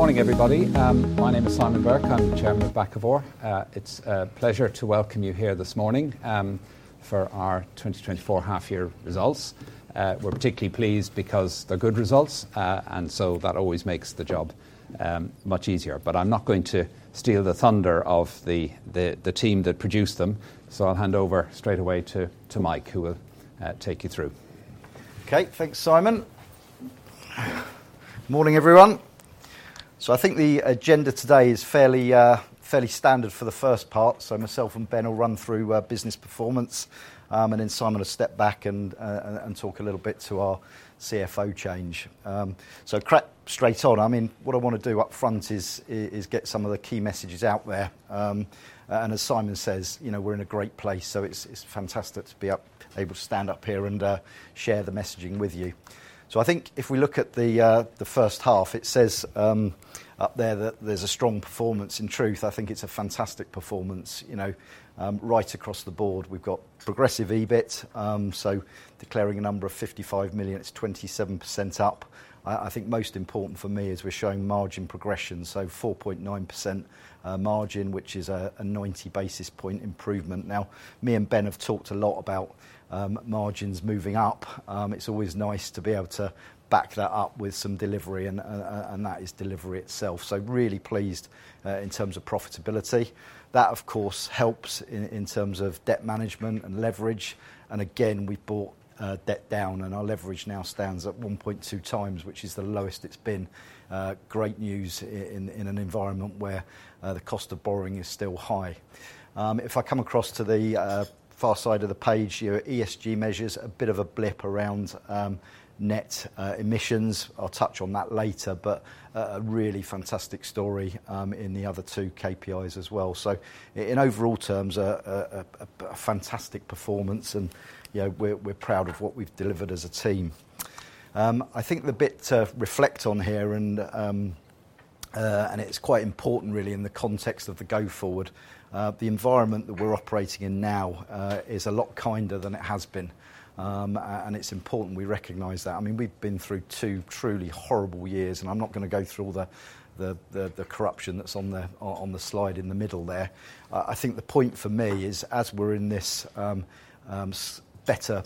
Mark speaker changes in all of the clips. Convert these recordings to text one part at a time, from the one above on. Speaker 1: Good morning, everybody. My name is Simon Burke. I'm the chairman of Bakkavor. It's a pleasure to welcome you here this morning, for our twenty twenty-four half year results. We're particularly pleased because they're good results, and so that always makes the job, much easier. But I'm not going to steal the thunder of the team that produced them, so I'll hand over straight away to Mike, who will take you through.
Speaker 2: Okay. Thanks, Simon. Morning, everyone. I think the agenda today is fairly standard for the first part. So myself and Ben will run through business performance, and then Simon will step back and talk a little bit to our CFO change. Straight on, I mean, what I wanna do up front is get some of the key messages out there. And as Simon says, you know, we're in a great place, so it's fantastic to be able to stand up here and share the messaging with you. I think if we look at the first half, it says up there that there's a strong performance. In truth, I think it's a fantastic performance, you know, right across the board. We've got progress in EBIT, so declaring a number of £55 million, it's 27% up. I think most important for me is we're showing margin progression, so 4.9% margin, which is a 90 basis point improvement. Now, me and Ben have talked a lot about margins moving up. It's always nice to be able to back that up with some delivery, and that is delivery itself, so really pleased in terms of profitability. That, of course, helps in terms of debt management and leverage, and again, we've brought debt down, and our leverage now stands at 1.2 times, which is the lowest it's been. Great news in an environment where the cost of borrowing is still high. If I come across to the far side of the page, your ESG measures, a bit of a blip around net emissions. I'll touch on that later, but a really fantastic story in the other two KPIs as well. So in overall terms, a fantastic performance, and, you know, we're proud of what we've delivered as a team. I think the bit to reflect on here, and it's quite important really in the context of the go-forward, the environment that we're operating in now, is a lot kinder than it has been. And it's important we recognize that. I mean, we've been through two truly horrible years, and I'm not gonna go through all the corruption that's on the slide in the middle there. I think the point for me is, as we're in this better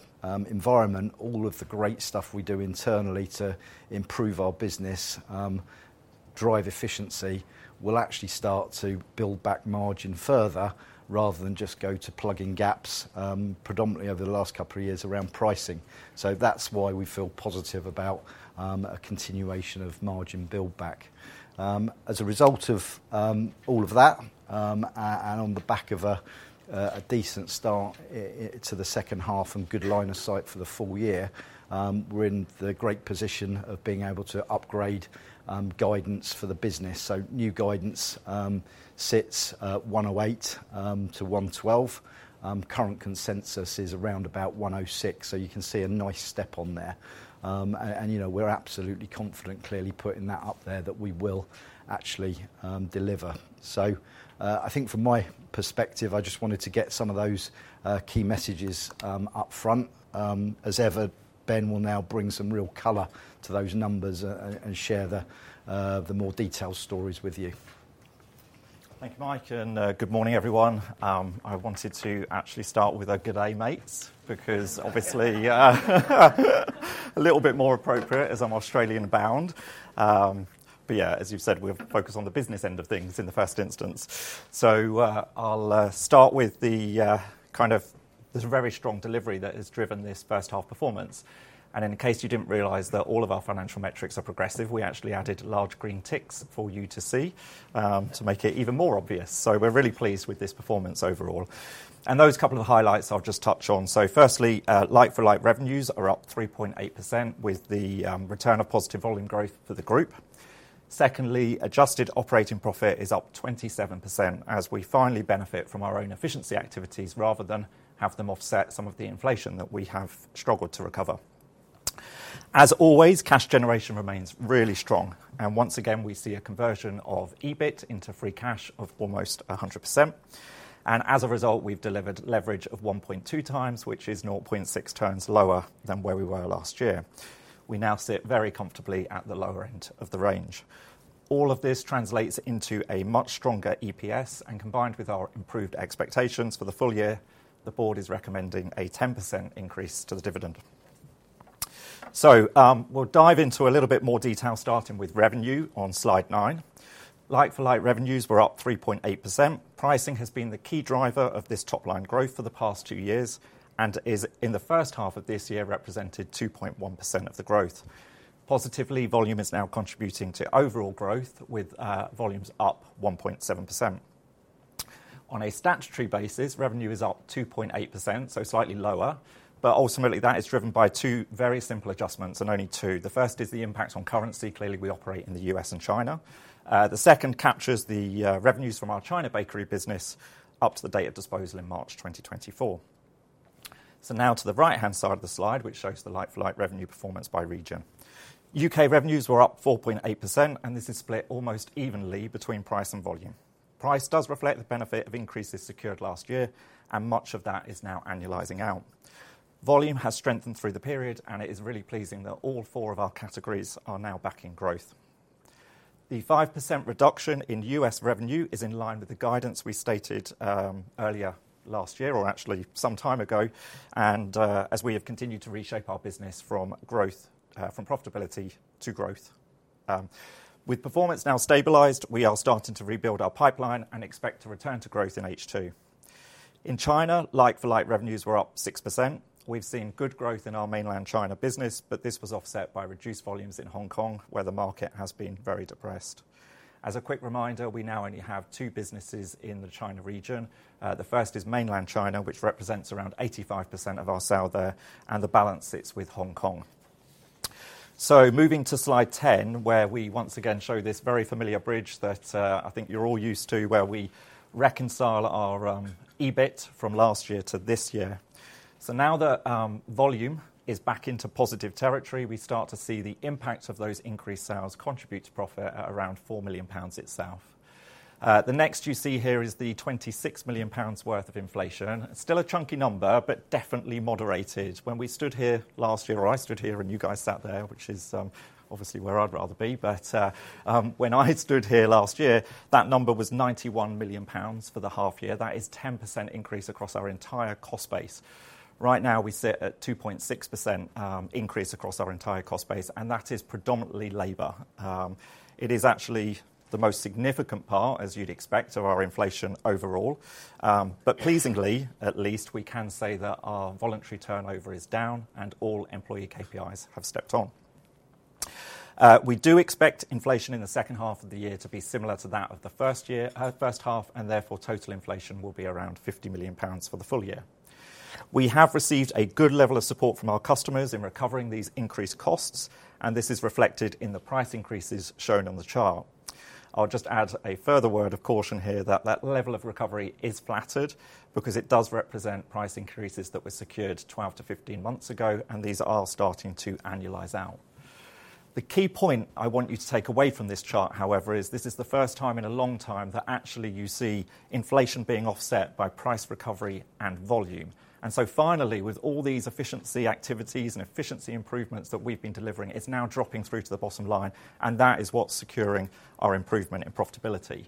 Speaker 2: environment, all of the great stuff we do internally to improve our business, drive efficiency, will actually start to build back margin further, rather than just go to plug in gaps, predominantly over the last couple of years around pricing. So that's why we feel positive about a continuation of margin build-back. As a result of all of that and on the back of a decent start to the second half and good line of sight for the full year, we're in the great position of being able to upgrade guidance for the business, so new guidance sits 108-112. Current consensus is around about 106, so you can see a nice step on there. And, you know, we're absolutely confident, clearly putting that up there, that we will actually deliver. So, I think from my perspective, I just wanted to get some of those key messages up front. As ever, Ben will now bring some real color to those numbers and share the more detailed stories with you.
Speaker 3: Thank you, Mike, and good morning, everyone. I wanted to actually start with a, "G'day, mates," because obviously a little bit more appropriate as I'm Australian-bound. But yeah, as you've said, we'll focus on the business end of things in the first instance. So I'll start with there's a very strong delivery that has driven this first half performance. And in case you didn't realize that all of our financial metrics are progressive, we actually added large green ticks for you to see to make it even more obvious. So we're really pleased with this performance overall. And those couple of highlights I'll just touch on. So firstly, like-for-like revenues are up 3.8% with the return of positive volume growth for the group. Secondly, adjusted operating profit is up 27%, as we finally benefit from our own efficiency activities rather than have them offset some of the inflation that we have struggled to recover. As always, cash generation remains really strong, and once again, we see a conversion of EBIT into free cash of almost 100%. As a result, we've delivered leverage of 1.2 times, which is 0.6 times lower than where we were last year. We now sit very comfortably at the lower end of the range. All of this translates into a much stronger EPS, and combined with our improved expectations for the full year, the board is recommending a 10% increase to the dividend, so we'll dive into a little bit more detail, starting with revenue on slide nine. Like-for-like revenues were up 3.8%. Pricing has been the key driver of this top-line growth for the past two years, and is, in the first half of this year, represented 2.1% of the growth. Positively, volume is now contributing to overall growth, with volumes up 1.7%. On a statutory basis, revenue is up 2.8%, so slightly lower, but ultimately, that is driven by two very simple adjustments, and only two. The first is the impact on currency. Clearly, we operate in the U.S. and China. The second captures the revenues from our China bakery business up to the date of disposal in March 2024. So now to the right-hand side of the slide, which shows the like-for-like revenue performance by region. UK revenues were up 4.8%, and this is split almost evenly between price and volume. Price does reflect the benefit of increases secured last year, and much of that is now annualizing out. Volume has strengthened through the period, and it is really pleasing that all four of our categories are now back in growth. The 5% reduction in US revenue is in line with the guidance we stated, earlier last year, or actually some time ago, and, as we have continued to reshape our business from growth, from profitability to growth. With performance now stabilized, we are starting to rebuild our pipeline and expect to return to growth in H2. In China, like-for-like revenues were up 6%. We've seen good growth in our Mainland China business, but this was offset by reduced volumes in Hong Kong, where the market has been very depressed. As a quick reminder, we now only have two businesses in the China region. The first is Mainland China, which represents around 85% of our sales there, and the balance sits with Hong Kong. So moving to slide 10, where we once again show this very familiar bridge that, I think you're all used to, where we reconcile our EBIT from last year to this year. So now that volume is back into positive territory, we start to see the impact of those increased sales contribute to profit at around 4 million pounds itself. The next you see here is the 26 million pounds worth of inflation. Still a chunky number, but definitely moderated. When we stood here last year, or I stood here, and you guys sat there, which is obviously where I'd rather be, but when I stood here last year, that number was £91 million for the half year. That is 10% increase across our entire cost base. Right now, we sit at 2.6% increase across our entire cost base, and that is predominantly labor. It is actually the most significant part, as you'd expect, of our inflation overall. But pleasingly, at least, we can say that our voluntary turnover is down, and all employee KPIs have stepped on. We do expect inflation in the second half of the year to be similar to that of the first half, and therefore, total inflation will be around £50 million for the full year. We have received a good level of support from our customers in recovering these increased costs, and this is reflected in the price increases shown on the chart. I'll just add a further word of caution here, that that level of recovery is flattered because it does represent price increases that were secured twelve to fifteen months ago, and these are starting to annualize out. The key point I want you to take away from this chart, however, is this is the first time in a long time that actually you see inflation being offset by price recovery and volume. And so finally, with all these efficiency activities and efficiency improvements that we've been delivering, it's now dropping through to the bottom line, and that is what's securing our improvement in profitability.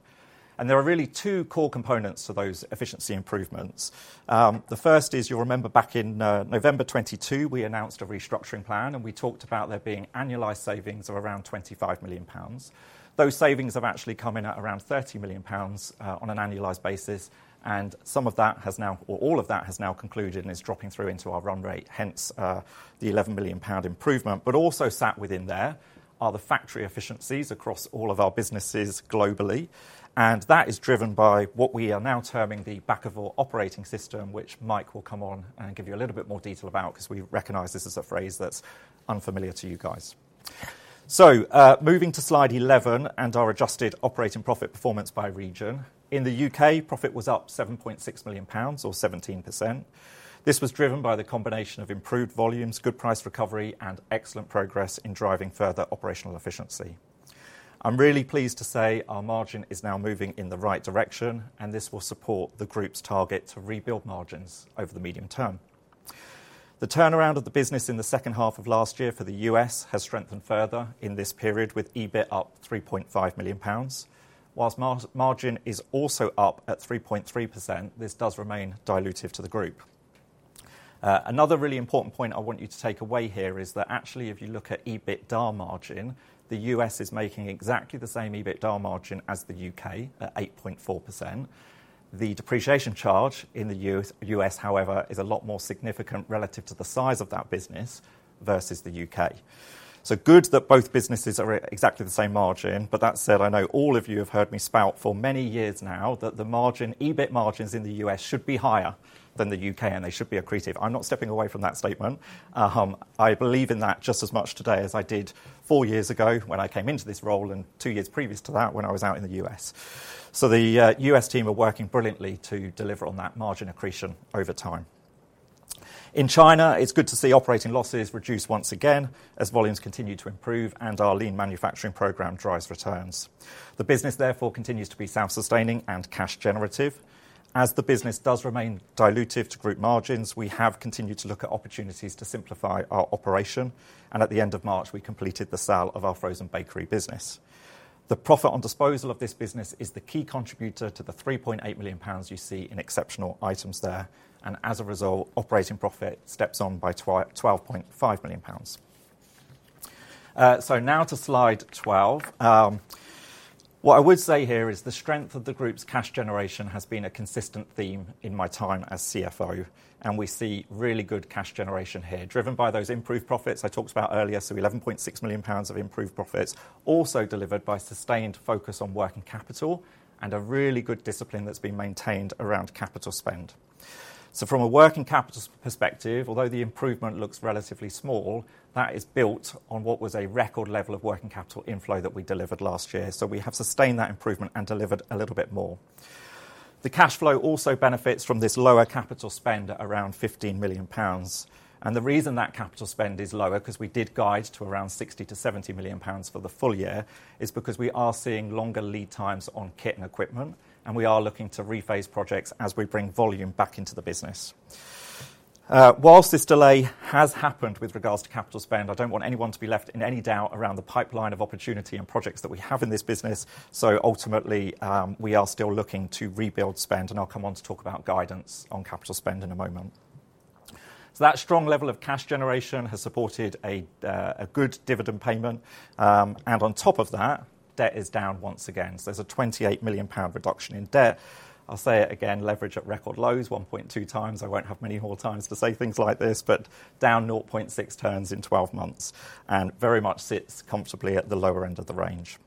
Speaker 3: And there are really two core components to those efficiency improvements. The first is, you'll remember back in November 2022, we announced a restructuring plan, and we talked about there being annualized savings of around 25 million pounds. Those savings have actually come in at around 30 million pounds on an annualized basis, and some of that has now or all of that has now concluded and is dropping through into our run rate, hence the 11 million pound improvement, but also sat within there are the factory efficiencies across all of our businesses globally, and that is driven by what we are now terming the Bakkavor Operating System, which Mike will come on and give you a little bit more detail about, because we recognize this is a phrase that's unfamiliar to you guys. Moving to Slide 11, and our adjusted operating profit performance by region. In the U.K., profit was up 7.6 million pounds, or 17%. This was driven by the combination of improved volumes, good price recovery, and excellent progress in driving further operational efficiency. I'm really pleased to say our margin is now moving in the right direction, and this will support the group's target to rebuild margins over the medium term. The turnaround of the business in the second half of last year for the U.S. has strengthened further in this period, with EBIT up 3.5 million pounds. While margin is also up at 3.3%, this does remain dilutive to the group. Another really important point I want you to take away here is that actually if you look at EBITDA margin, the U.S. is making exactly the same EBITDA margin as the U.K., at 8.4%. The depreciation charge in the U.S., however, is a lot more significant relative to the size of that business versus the U.K. So good that both businesses are at exactly the same margin, but that said, I know all of you have heard me spout for many years now that the margin, EBIT margins in the U.S. should be higher than the U.K., and they should be accretive. I'm not stepping away from that statement. I believe in that just as much today as I did four years ago when I came into this role and two years previous to that when I was out in the U.S. So the U.S. team are working brilliantly to deliver on that margin accretion over time. In China, it's good to see operating losses reduce once again as volumes continue to improve and our lean manufacturing program drives returns. The business, therefore, continues to be self-sustaining and cash generative. As the business does remain dilutive to group margins, we have continued to look at opportunities to simplify our operation, and at the end of March, we completed the sale of our frozen bakery business. The profit on disposal of this business is the key contributor to the 3.8 million pounds you see in exceptional items there, and as a result, operating profit steps on by 12.5 million pounds. So now to Slide twelve. What I would say here is the strength of the group's cash generation has been a consistent theme in my time as CFO, and we see really good cash generation here, driven by those improved profits I talked about earlier, so 11.6 million pounds of improved profits, also delivered by sustained focus on working capital and a really good discipline that's been maintained around capital spend. So from a working capital perspective, although the improvement looks relatively small, that is built on what was a record level of working capital inflow that we delivered last year. So we have sustained that improvement and delivered a little bit more. The cash flow also benefits from this lower capital spend at around 15 million pounds. And the reason that capital spend is lower, 'cause we did guide to around 60-70 million pounds for the full year, is because we are seeing longer lead times on kit and equipment, and we are looking to rephase projects as we bring volume back into the business. While this delay has happened with regards to capital spend, I don't want anyone to be left in any doubt around the pipeline of opportunity and projects that we have in this business. So ultimately, we are still looking to rebuild spend, and I'll come on to talk about guidance on capital spend in a moment. So that strong level of cash generation has supported a good dividend payment. And on top of that, debt is down once again. So there's a 28 million pound reduction in debt. I'll say it again, leverage at record low is 1.2 times. I won't have many more times to say things like this, but down 0.6 times in 12 months, and very much sits comfortably at the lower end of the range.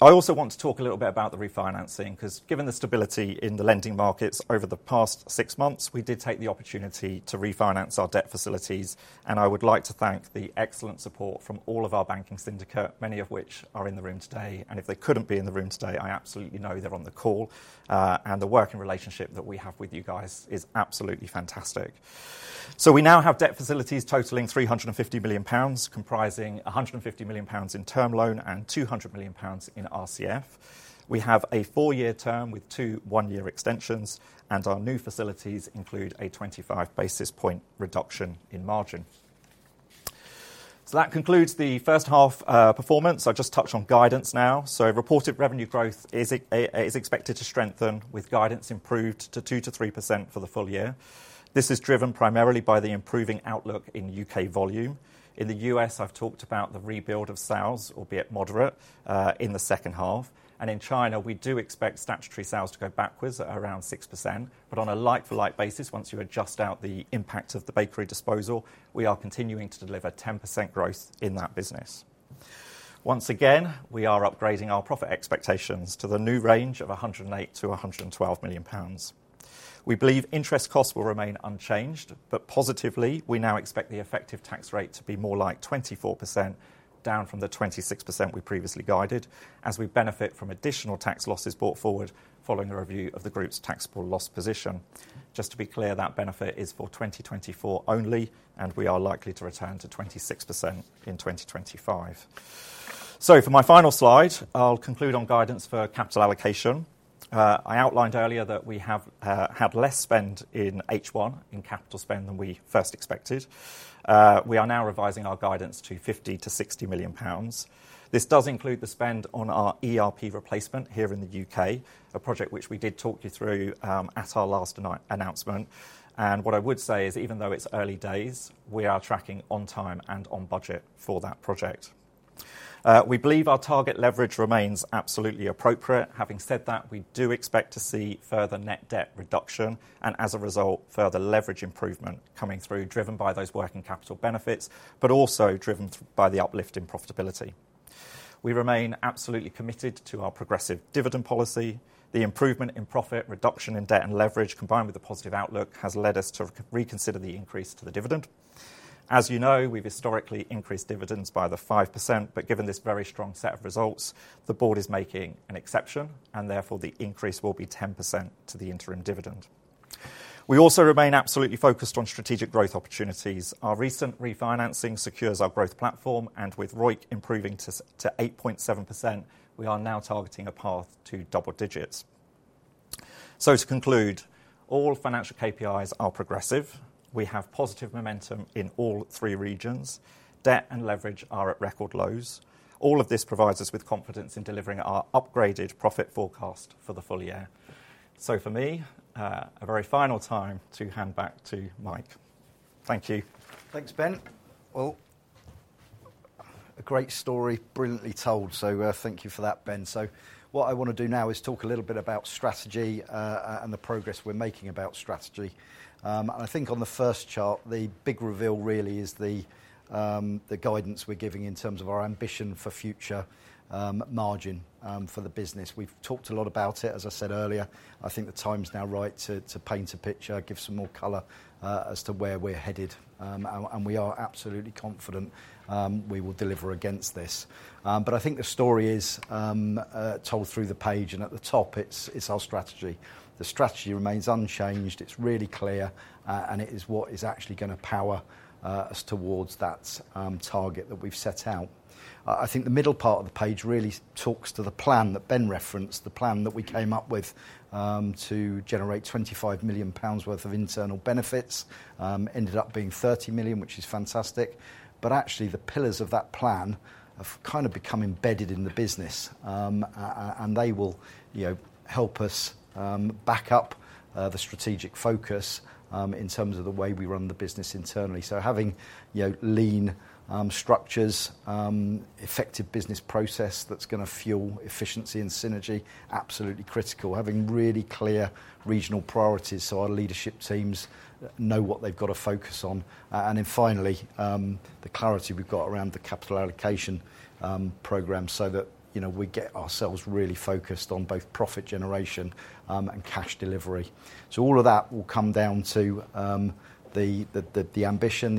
Speaker 3: I also want to talk a little bit about the refinancing, 'cause given the stability in the lending markets over the past 6 months, we did take the opportunity to refinance our debt facilities, and I would like to thank the excellent support from all of our banking syndicate, many of which are in the room today, and if they couldn't be in the room today, I absolutely know they're on the call, and the working relationship that we have with you guys is absolutely fantastic. We now have debt facilities totaling 350 million pounds, comprising 150 million pounds in term loan and 200 million pounds in RCF. We have a four-year term with two one-year extensions, and our new facilities include a 25 basis point reduction in margin. That concludes the first half performance. I'll just touch on guidance now. Reported revenue growth is expected to strengthen, with guidance improved to 2%-3% for the full year. This is driven primarily by the improving outlook in U.K. volume. In the U.S., I've talked about the rebuild of sales, albeit moderate, in the second half, and in China, we do expect statutory sales to go backwards at around 6%. On a like-for-like basis, once you adjust out the impact of the bakery disposal, we are continuing to deliver 10% growth in that business. Once again, we are upgrading our profit expectations to the new range of 108 to 112 million pounds. We believe interest costs will remain unchanged, but positively, we now expect the effective tax rate to be more like 24%, down from the 26% we previously guided, as we benefit from additional tax losses brought forward following a review of the group's taxable loss position. Just to be clear, that benefit is for 2024 only, and we are likely to return to 26% in 2025. For my final slide, I'll conclude on guidance for capital allocation. I outlined earlier that we have had less spend in H1 in capital spend than we first expected. We are now revising our guidance to 50-60 million pounds. This does include the spend on our ERP replacement here in the UK, a project which we did talk you through at our last announcement, and what I would say is, even though it's early days, we are tracking on time and on budget for that project. We believe our target leverage remains absolutely appropriate. Having said that, we do expect to see further net debt reduction, and as a result, further leverage improvement coming through, driven by those working capital benefits, but also driven by the uplift in profitability. We remain absolutely committed to our progressive dividend policy. The improvement in profit, reduction in debt, and leverage, combined with a positive outlook, has led us to reconsider the increase to the dividend. As you know, we've historically increased dividends by the 5%, but given this very strong set of results, the board is making an exception, and therefore, the increase will be 10% to the interim dividend. We also remain absolutely focused on strategic growth opportunities. Our recent refinancing secures our growth platform, and with ROIC improving to eight point seven percent, we are now targeting a path to double digits. So to conclude, all financial KPIs are progressive. We have positive momentum in all three regions. Debt and leverage are at record lows. All of this provides us with confidence in delivering our upgraded profit forecast for the full year. So for me, a very final time, to hand back to Mike. Thank you.
Speaker 2: Thanks, Ben. Well, a great story, brilliantly told, so, thank you for that, Ben. So what I want to do now is talk a little bit about strategy, and the progress we're making about strategy. And I think on the first chart, the big reveal really is the guidance we're giving in terms of our ambition for future margin for the business. We've talked a lot about it. As I said earlier, I think the time is now right to paint a picture, give some more color, as to where we're headed. And we are absolutely confident we will deliver against this. But I think the story is told through the page, and at the top, it's our strategy. The strategy remains unchanged. It's really clear, and it is what is actually going to power us towards that target that we've set out. I think the middle part of the page really talks to the plan that Ben referenced, the plan that we came up with to generate 25 million pounds worth of internal benefits, ended up being 30 million GBP, which is fantastic. But actually, the pillars of that plan have kind of become embedded in the business and they will, you know, help us back up the strategic focus in terms of the way we run the business internally. So having, you know, lean structures, effective business process that's going to fuel efficiency and synergy, absolutely critical. Having really clear regional priorities, so our leadership teams know what they've got to focus on. And then finally, the clarity we've got around the capital allocation program so that, you know, we get ourselves really focused on both profit generation and cash delivery. So all of that will come down to the ambition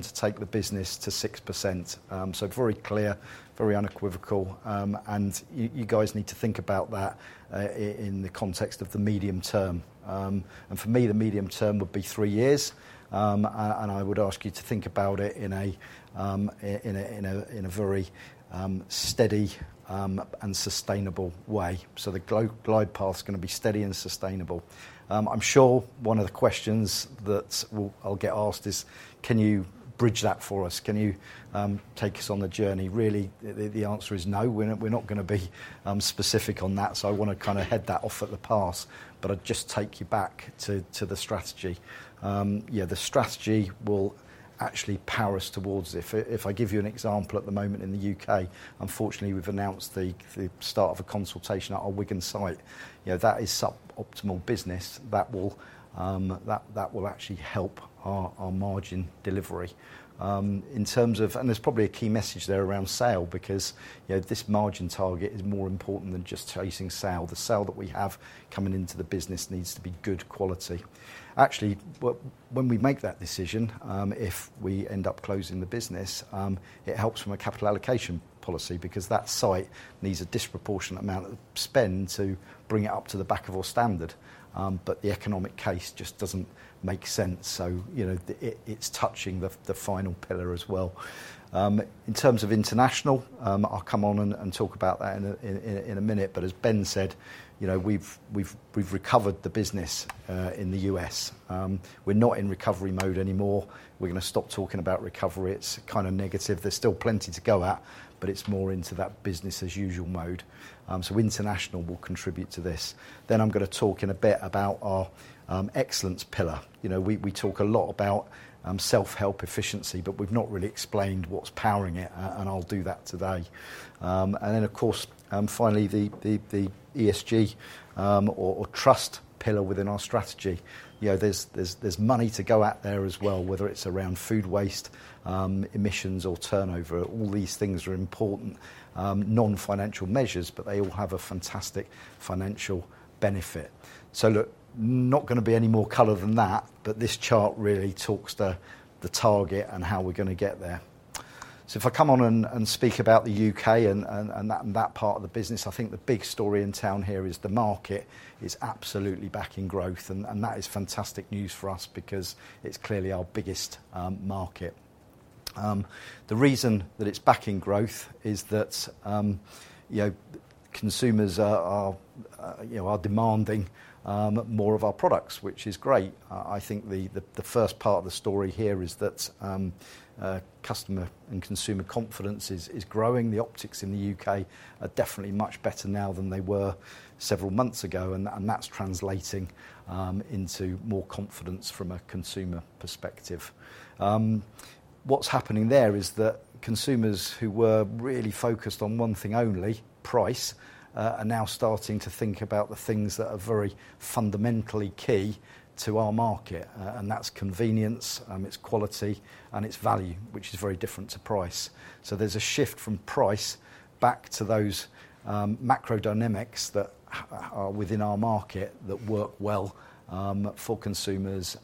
Speaker 2: to take the business to 6%. So very clear, very unequivocal, and you guys need to think about that in the context of the medium term. And for me, the medium term would be three years. And I would ask you to think about it in a very steady and sustainable way. So the glide path is going to be steady and sustainable. I'm sure one of the questions that I'll get asked is: Can you bridge that for us? Can you take us on the journey? Really, the answer is no. We're not going to be specific on that, so I want to kind of head that off at the pass. But I'd just take you back to the strategy. Yeah, the strategy will actually power us towards it. If I give you an example, at the moment in the U.K., unfortunately, we've announced the start of a consultation at our Wigan site. You know, that is suboptimal business. That will actually help our margin delivery. In terms of... And there's probably a key message there around sales, because, you know, this margin target is more important than just chasing sales. The sales that we have coming into the business needs to be good quality. Actually, but when we make that decision, if we end up closing the business, it helps from a capital allocation policy because that site needs a disproportionate amount of spend to bring it up to the Bakkavor standard, but the economic case just doesn't make sense. So, you know, it, it's touching the final pillar as well. In terms of international, I'll come on and talk about that in a minute, but as Ben said, you know, we've recovered the business in the U.S. We're not in recovery mode anymore. We're going to stop talking about recovery. It's kind of negative. There's still plenty to go at, but it's more into that business-as-usual mode. So international will contribute to this. Then I'm going to talk in a bit about our excellence pillar. You know, we talk a lot about self-help efficiency, but we've not really explained what's powering it, and I'll do that today. And then, of course, finally, the ESG or trust pillar within our strategy. You know, there's money to go at there as well, whether it's around food waste, emissions, or turnover. All these things are important non-financial measures, but they all have a fantastic financial benefit. So look, not going to be any more color than that, but this chart really talks to the target and how we're going to get there. If I come on and speak about the UK and that part of the business, I think the big story in town here is the market is absolutely backing growth, and that is fantastic news for us because it's clearly our biggest market. The reason that it's backing growth is that, you know, consumers are, you know, demanding more of our products, which is great. I think the first part of the story here is that, customer and consumer confidence is growing. The optics in the UK are definitely much better now than they were several months ago, and that's translating into more confidence from a consumer perspective. What's happening there is that consumers who were really focused on one thing only, price, are now starting to think about the things that are very fundamentally key to our market, and that's convenience, it's quality, and it's value, which is very different to price. So there's a shift from price back to those macro dynamics that are within our market that work well for consumers,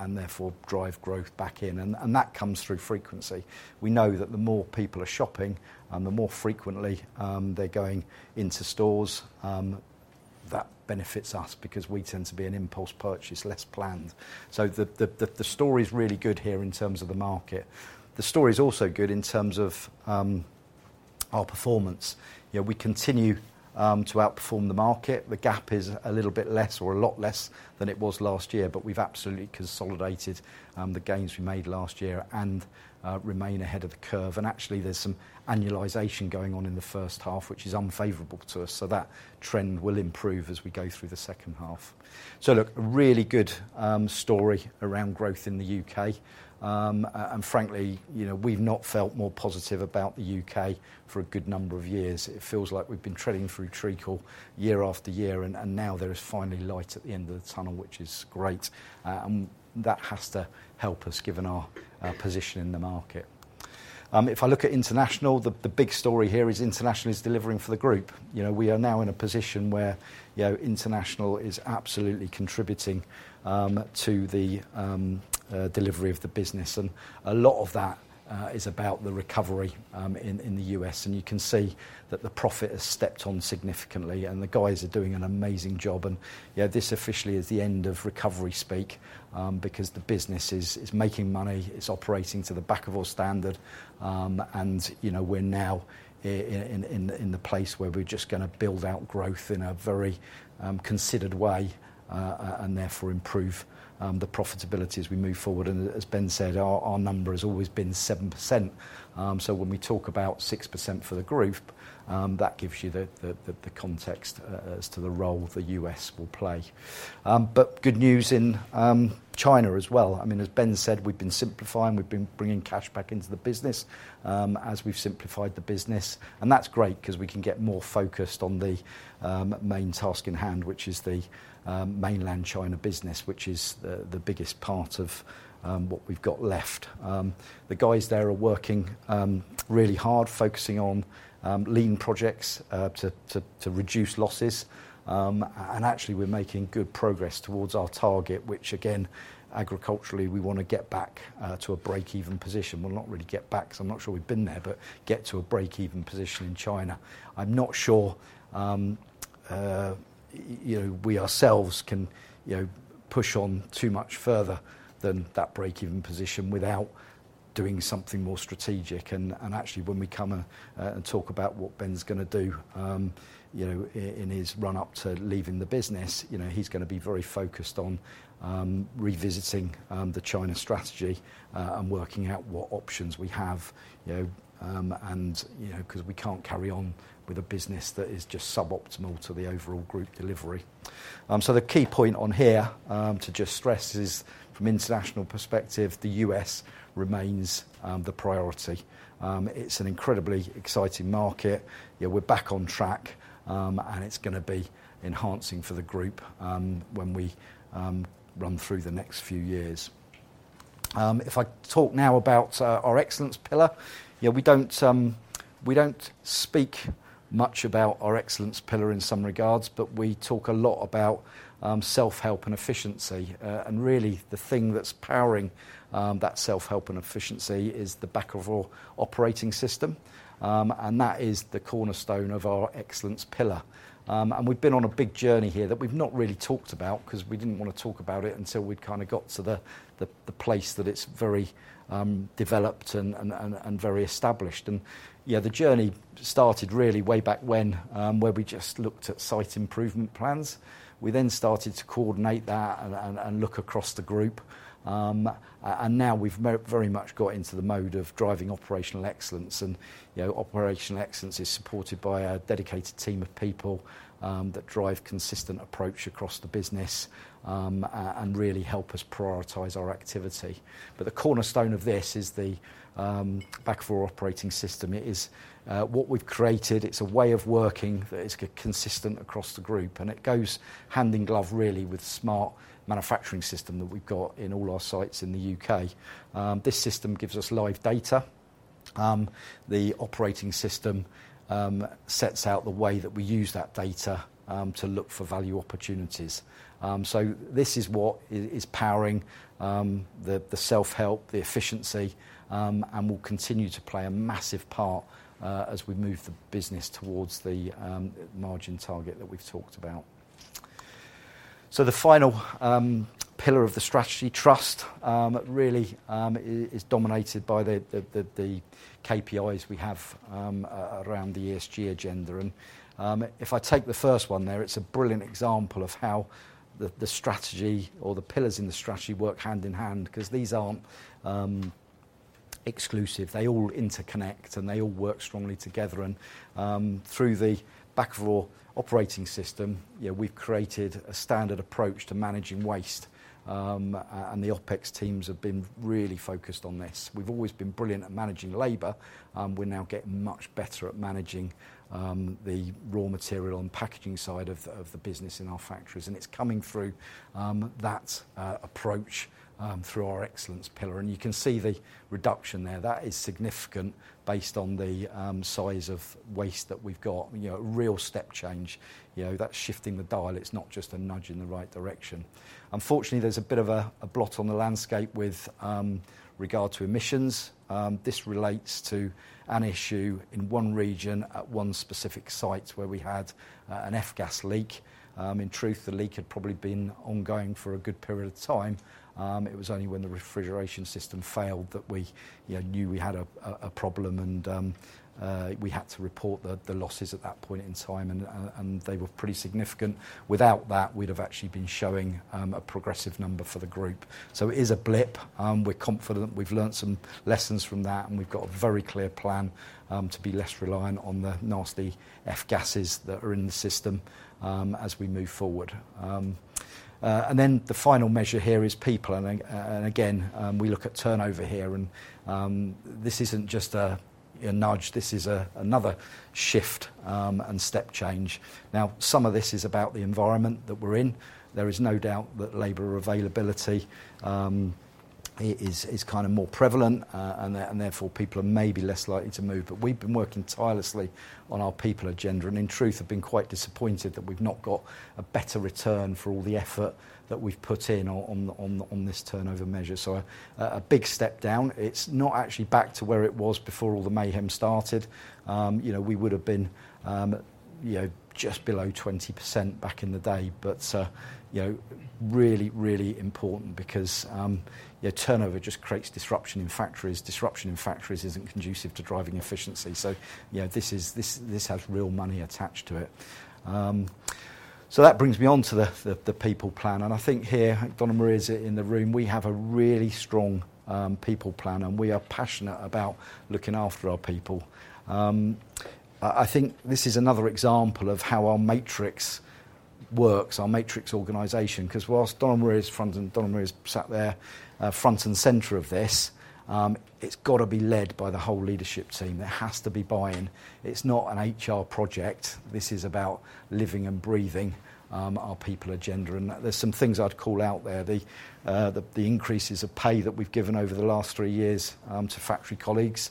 Speaker 2: and therefore drive growth back in, and that comes through frequency. We know that the more people are shopping, and the more frequently, they're going into stores, that benefits us because we tend to be an impulse purchase, less planned. So the story's really good here in terms of the market. The story's also good in terms of our performance. You know, we continue to outperform the market. The gap is a little bit less or a lot less than it was last year, but we've absolutely consolidated the gains we made last year and remain ahead of the curve, and actually, there's some annualization going on in the first half, which is unfavorable to us, so that trend will improve as we go through the second half. So look, a really good story around growth in the UK, and frankly, you know, we've not felt more positive about the UK for a good number of years. It feels like we've been treading through treacle year after year, and now there is finally light at the end of the tunnel, which is great, and that has to help us, given our position in the market. If I look at international, the big story here is international is delivering for the group. You know, we are now in a position where, you know, international is absolutely contributing to the delivery of the business, and a lot of that is about the recovery in the U.S., and you can see that the profit has stepped on significantly, and the guys are doing an amazing job, and you know, this officially is the end of recovery speak, because the business is making money, it's operating to the Bakkavor standard, and, you know, we're now in the place where we're just going to build out growth in a very considered way, and therefore improve the profitability as we move forward. And as Ben said, our number has always been 7%, so when we talk about 6% for the group, that gives you the context as to the role the U.S. will play. But good news in China as well. I mean, as Ben said, we've been simplifying. We've been bringing cash back into the business, as we've simplified the business, and that's great because we can get more focused on the main task in hand, which is the mainland China business, which is the biggest part of what we've got left. The guys there are working really hard, focusing on lean projects to reduce losses. And actually, we're making good progress towards our target, which again, agriculturally, we want to get back to a break-even position. Well, not really get back, because I'm not sure we've been there, but get to a break-even position in China. I'm not sure, you know, we ourselves can, you know, push on too much further than that break-even position without doing something more strategic. And, and actually, when we come and talk about what Ben's going to do, you know, in his run-up to leaving the business, you know, he's going to be very focused on revisiting the China strategy and working out what options we have, you know, and, you know, 'cause we can't carry on with a business that is just suboptimal to the overall group delivery. So the key point on here to just stress is from international perspective, the US remains the priority. It's an incredibly exciting market. You know, we're back on track, and it's going to be enhancing for the group, when we run through the next few years. If I talk now about our excellence pillar, yeah, we don't, we don't speak much about our excellence pillar in some regards, but we talk a lot about self-help and efficiency. And really, the thing that's powering that self-help and efficiency is the Bakkavor Operating System, and that is the cornerstone of our excellence pillar. And we've been on a big journey here that we've not really talked about 'cause we didn't want to talk about it until we'd kind of got to the place that it's very developed and very established. And yeah, the journey started really way back when, where we just looked at site improvement plans. We then started to coordinate that and look across the group, and now we've very much got into the mode of driving operational excellence, and you know, operational excellence is supported by a dedicated team of people that drive consistent approach across the business, and really help us prioritize our activity, but the cornerstone of this is the Bakkavor Operating System. It is what we've created, it's a way of working that is consistent across the group, and it goes hand in glove, really, with Smart Manufacturing System that we've got in all our sites in the UK. This system gives us live data. The operating system sets out the way that we use that data to look for value opportunities. So this is what is powering the self-help, the efficiency, and will continue to play a massive part as we move the business towards the margin target that we've talked about, so the final pillar of the strategy, trust, really is dominated by the KPIs we have around the ESG agenda, and if I take the first one there, it's a brilliant example of how the strategy or the pillars in the strategy work hand in hand, 'cause these aren't exclusive. They all interconnect, and they all work strongly together, and through the Bakkavor Operating System, yeah, we've created a standard approach to managing waste, and the OpEx teams have been really focused on this. We've always been brilliant at managing labor. We're now getting much better at managing the raw material and packaging side of the business in our factories, and it's coming through that approach through our excellence pillar. And you can see the reduction there. That is significant based on the size of waste that we've got, you know, a real step change. You know, that's shifting the dial, it's not just a nudge in the right direction. Unfortunately, there's a bit of a blot on the landscape with regard to emissions. This relates to an issue in one region at one specific site where we had an F-gas leak. In truth, the leak had probably been ongoing for a good period of time. It was only when the refrigeration system failed that we knew we had a problem, and we had to report the losses at that point in time, and they were pretty significant. Without that, we'd have actually been showing a progressive number for the group. So it is a blip. We're confident we've learned some lessons from that, and we've got a very clear plan to be less reliant on the nasty F-gases that are in the system as we move forward. And then the final measure here is people, and again, we look at turnover here, and this isn't just a nudge, this is another shift and step change. Now, some of this is about the environment that we're in. There is no doubt that labor availability is kind of more prevalent, and therefore, people are maybe less likely to move. But we've been working tirelessly on our people agenda, and in truth, have been quite disappointed that we've not got a better return for all the effort that we've put in on this turnover measure. So a big step down. It's not actually back to where it was before all the mayhem started. You know, we would've been just below 20% back in the day, but you know, really important because turnover just creates disruption in factories. Disruption in factories isn't conducive to driving efficiency. So, you know, this has real money attached to it. So that brings me on to the people plan, and I think here, Donna Marie is in the room, we have a really strong people plan, and we are passionate about looking after our people. I think this is another example of how our matrix works, our matrix organization, 'cause whilst Donna Marie is sat there, front and center of this, it's gotta be led by the whole leadership team. There has to be buy-in. It's not an HR project. This is about living and breathing our people agenda, and there's some things I'd call out there. The increases of pay that we've given over the last three years to factory colleagues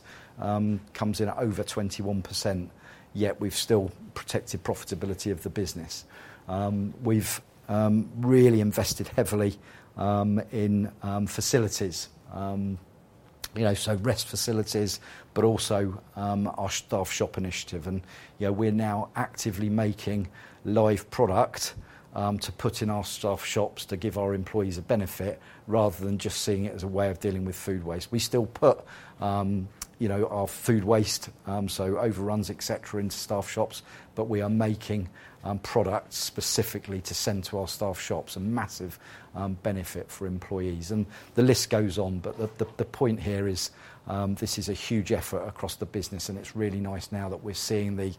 Speaker 2: comes in at over 21%, yet we've still protected profitability of the business. We've really invested heavily in facilities. You know, so rest facilities, but also our staff shop initiative. And you know, we're now actively making live product to put in our staff shops to give our employees a benefit, rather than just seeing it as a way of dealing with food waste. We still put, you know, our food waste, so overruns, et cetera, into staff shops, but we are making products specifically to send to our staff shops, a massive benefit for employees, and the list goes on. But the point here is this is a huge effort across the business, and it's really nice now that we're seeing the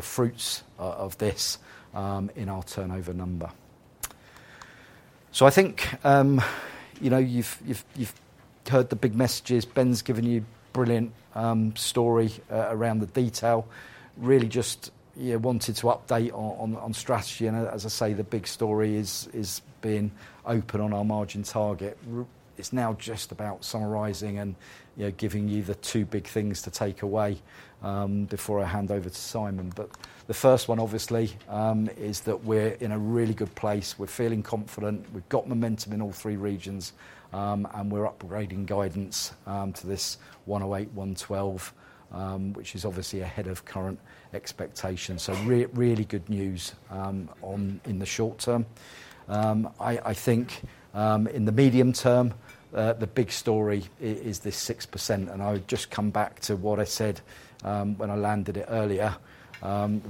Speaker 2: fruits of this in our turnover number. So I think you know, you've... You've heard the big messages. Ben's given you brilliant story around the detail. Really just yeah wanted to update on strategy. And as I say, the big story is being open on our margin target. It's now just about summarizing and you know giving you the two big things to take away before I hand over to Simon. The first one obviously is that we're in a really good place. We're feeling confident, we've got momentum in all three regions and we're upgrading guidance to 108-112 which is obviously ahead of current expectations. Really good news in the short term. I think in the medium term the big story is this 6%, and I would just come back to what I said when I landed it earlier.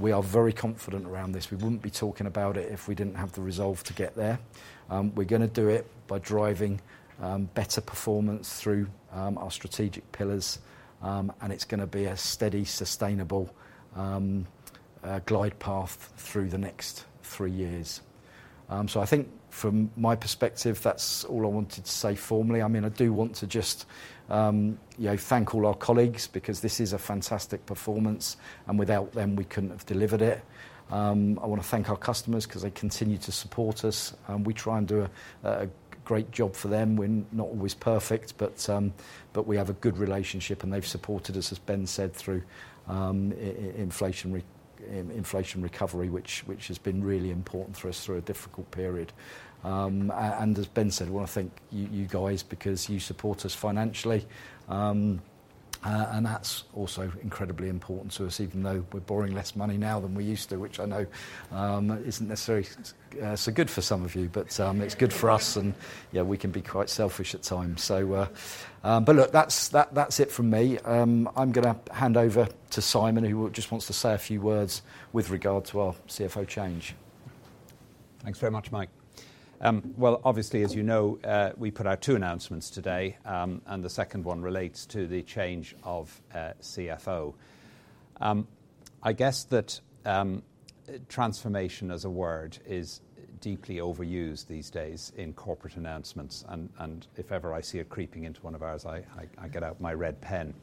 Speaker 2: We are very confident around this. We wouldn't be talking about it if we didn't have the resolve to get there. We're gonna do it by driving better performance through our strategic pillars, and it's gonna be a steady, sustainable glide path through the next three years. So I think from my perspective, that's all I wanted to say formally. I mean, I do want to just you know thank all our colleagues because this is a fantastic performance, and without them we couldn't have delivered it. I wanna thank our customers 'cause they continue to support us, and we try and do a great job for them. We're not always perfect, but we have a good relationship, and they've supported us, as Ben said, through inflation recovery, which has been really important for us through a difficult period. And as Ben said, I wanna thank you, you guys, because you support us financially. And that's also incredibly important to us, even though we're borrowing less money now than we used to, which I know isn't necessarily so good for some of you, but it's good for us, and yeah, we can be quite selfish at times. So, but look, that's it from me. I'm gonna hand over to Simon, who just wants to say a few words with regard to our CFO change.
Speaker 1: Thanks very much, Mike. Well, obviously, as you know, we put out two announcements today, and the second one relates to the change of CFO. I guess that transformation, as a word, is deeply overused these days in corporate announcements, and if ever I see it creeping into one of ours, I get out my red pen.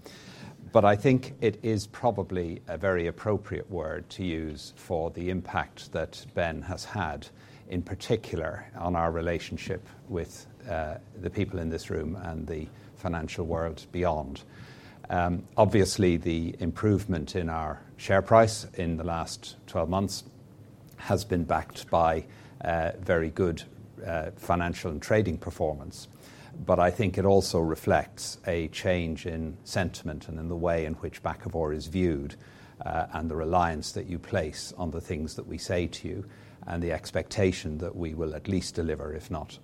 Speaker 1: But I think it is probably a very appropriate word to use for the impact that Ben has had, in particular on our relationship with the people in this room and the financial world beyond. Obviously, the improvement in our share price in the last twelve months has been backed by very good financial and trading performance. But I think it also reflects a change in sentiment and in the way in which Bakkavor is viewed, and the reliance that you place on the things that we say to you, and the expectation that we will at least deliver, if not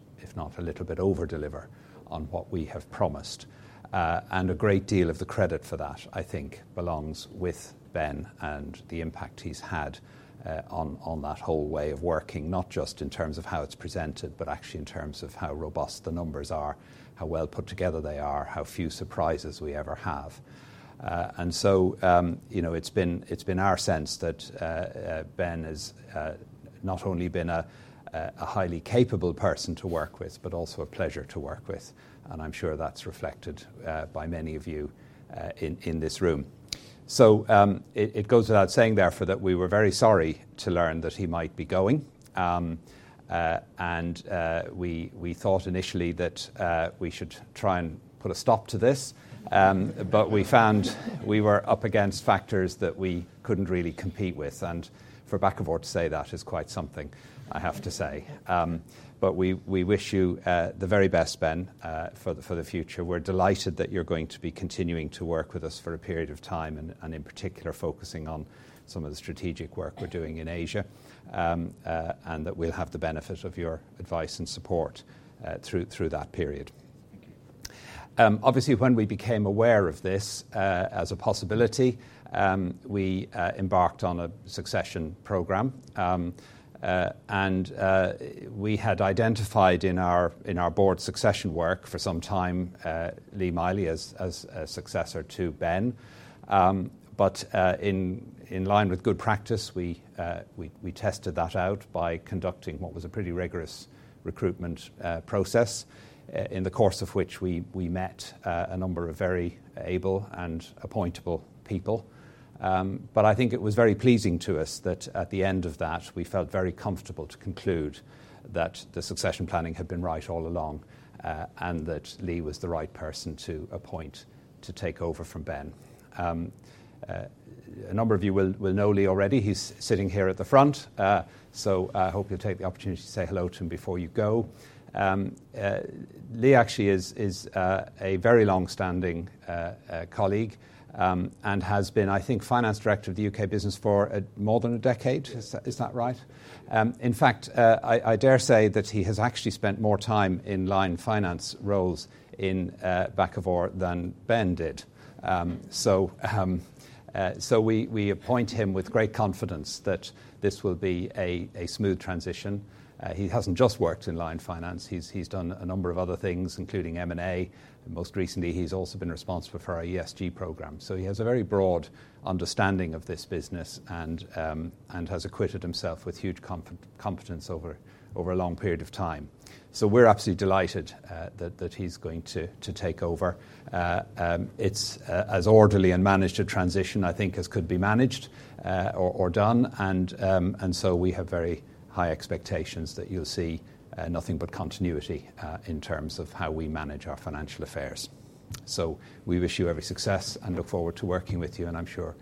Speaker 1: a little bit over-deliver on what we have promised. And a great deal of the credit for that, I think, belongs with Ben and the impact he's had, on that whole way of working, not just in terms of how it's presented, but actually in terms of how robust the numbers are, how well put together they are, how few surprises we ever have. And so, you know, it's been our sense that Ben has not only been a highly capable person to work with, but also a pleasure to work with, and I'm sure that's reflected by many of you in this room. So, it goes without saying, therefore, that we were very sorry to learn that he might be going. And we thought initially that we should try and put a stop to this. But we found we were up against factors that we couldn't really compete with. For Bakkavor to say that is quite something, I have to say. But we wish you the very best, Ben, for the future. We're delighted that you're going to be continuing to work with us for a period of time, and in particular, focusing on some of the strategic work we're doing in Asia and that we'll have the benefit of your advice and support through that period.
Speaker 3: Thank you.
Speaker 1: Obviously, when we became aware of this, as a possibility, we embarked on a succession program. And we had identified in our board succession work for some time, Lee Miley as a successor to Ben. But in line with good practice, we tested that out by conducting what was a pretty rigorous recruitment process, in the course of which we met a number of very able and appointable people. But I think it was very pleasing to us that at the end of that, we felt very comfortable to conclude that the succession planning had been right all along, and that Lee was the right person to appoint to take over from Ben. A number of you will know Lee already. He's sitting here at the front, so I hope you'll take the opportunity to say hello to him before you go. Lee actually is a very long-standing colleague, and has been, I think, finance director of the U.K. business for more than a decade.
Speaker 2: Yes.
Speaker 1: Is that right? In fact, I dare say that he has actually spent more time in line finance roles in Bakkavor than Ben did. So we appoint him with great confidence that this will be a smooth transition. He hasn't just worked in line finance. He's done a number of other things, including M&A. Most recently, he's also been responsible for our ESG program. So he has a very broad understanding of this business and has acquitted himself with huge competence over a long period of time. So we're absolutely delighted that he's going to take over. It's as orderly and managed a transition, I think, as could be managed or done. And so we have very high expectations that you'll see nothing but continuity in terms of how we manage our financial affairs. So we wish you every success and look forward to working with you, and I'm sure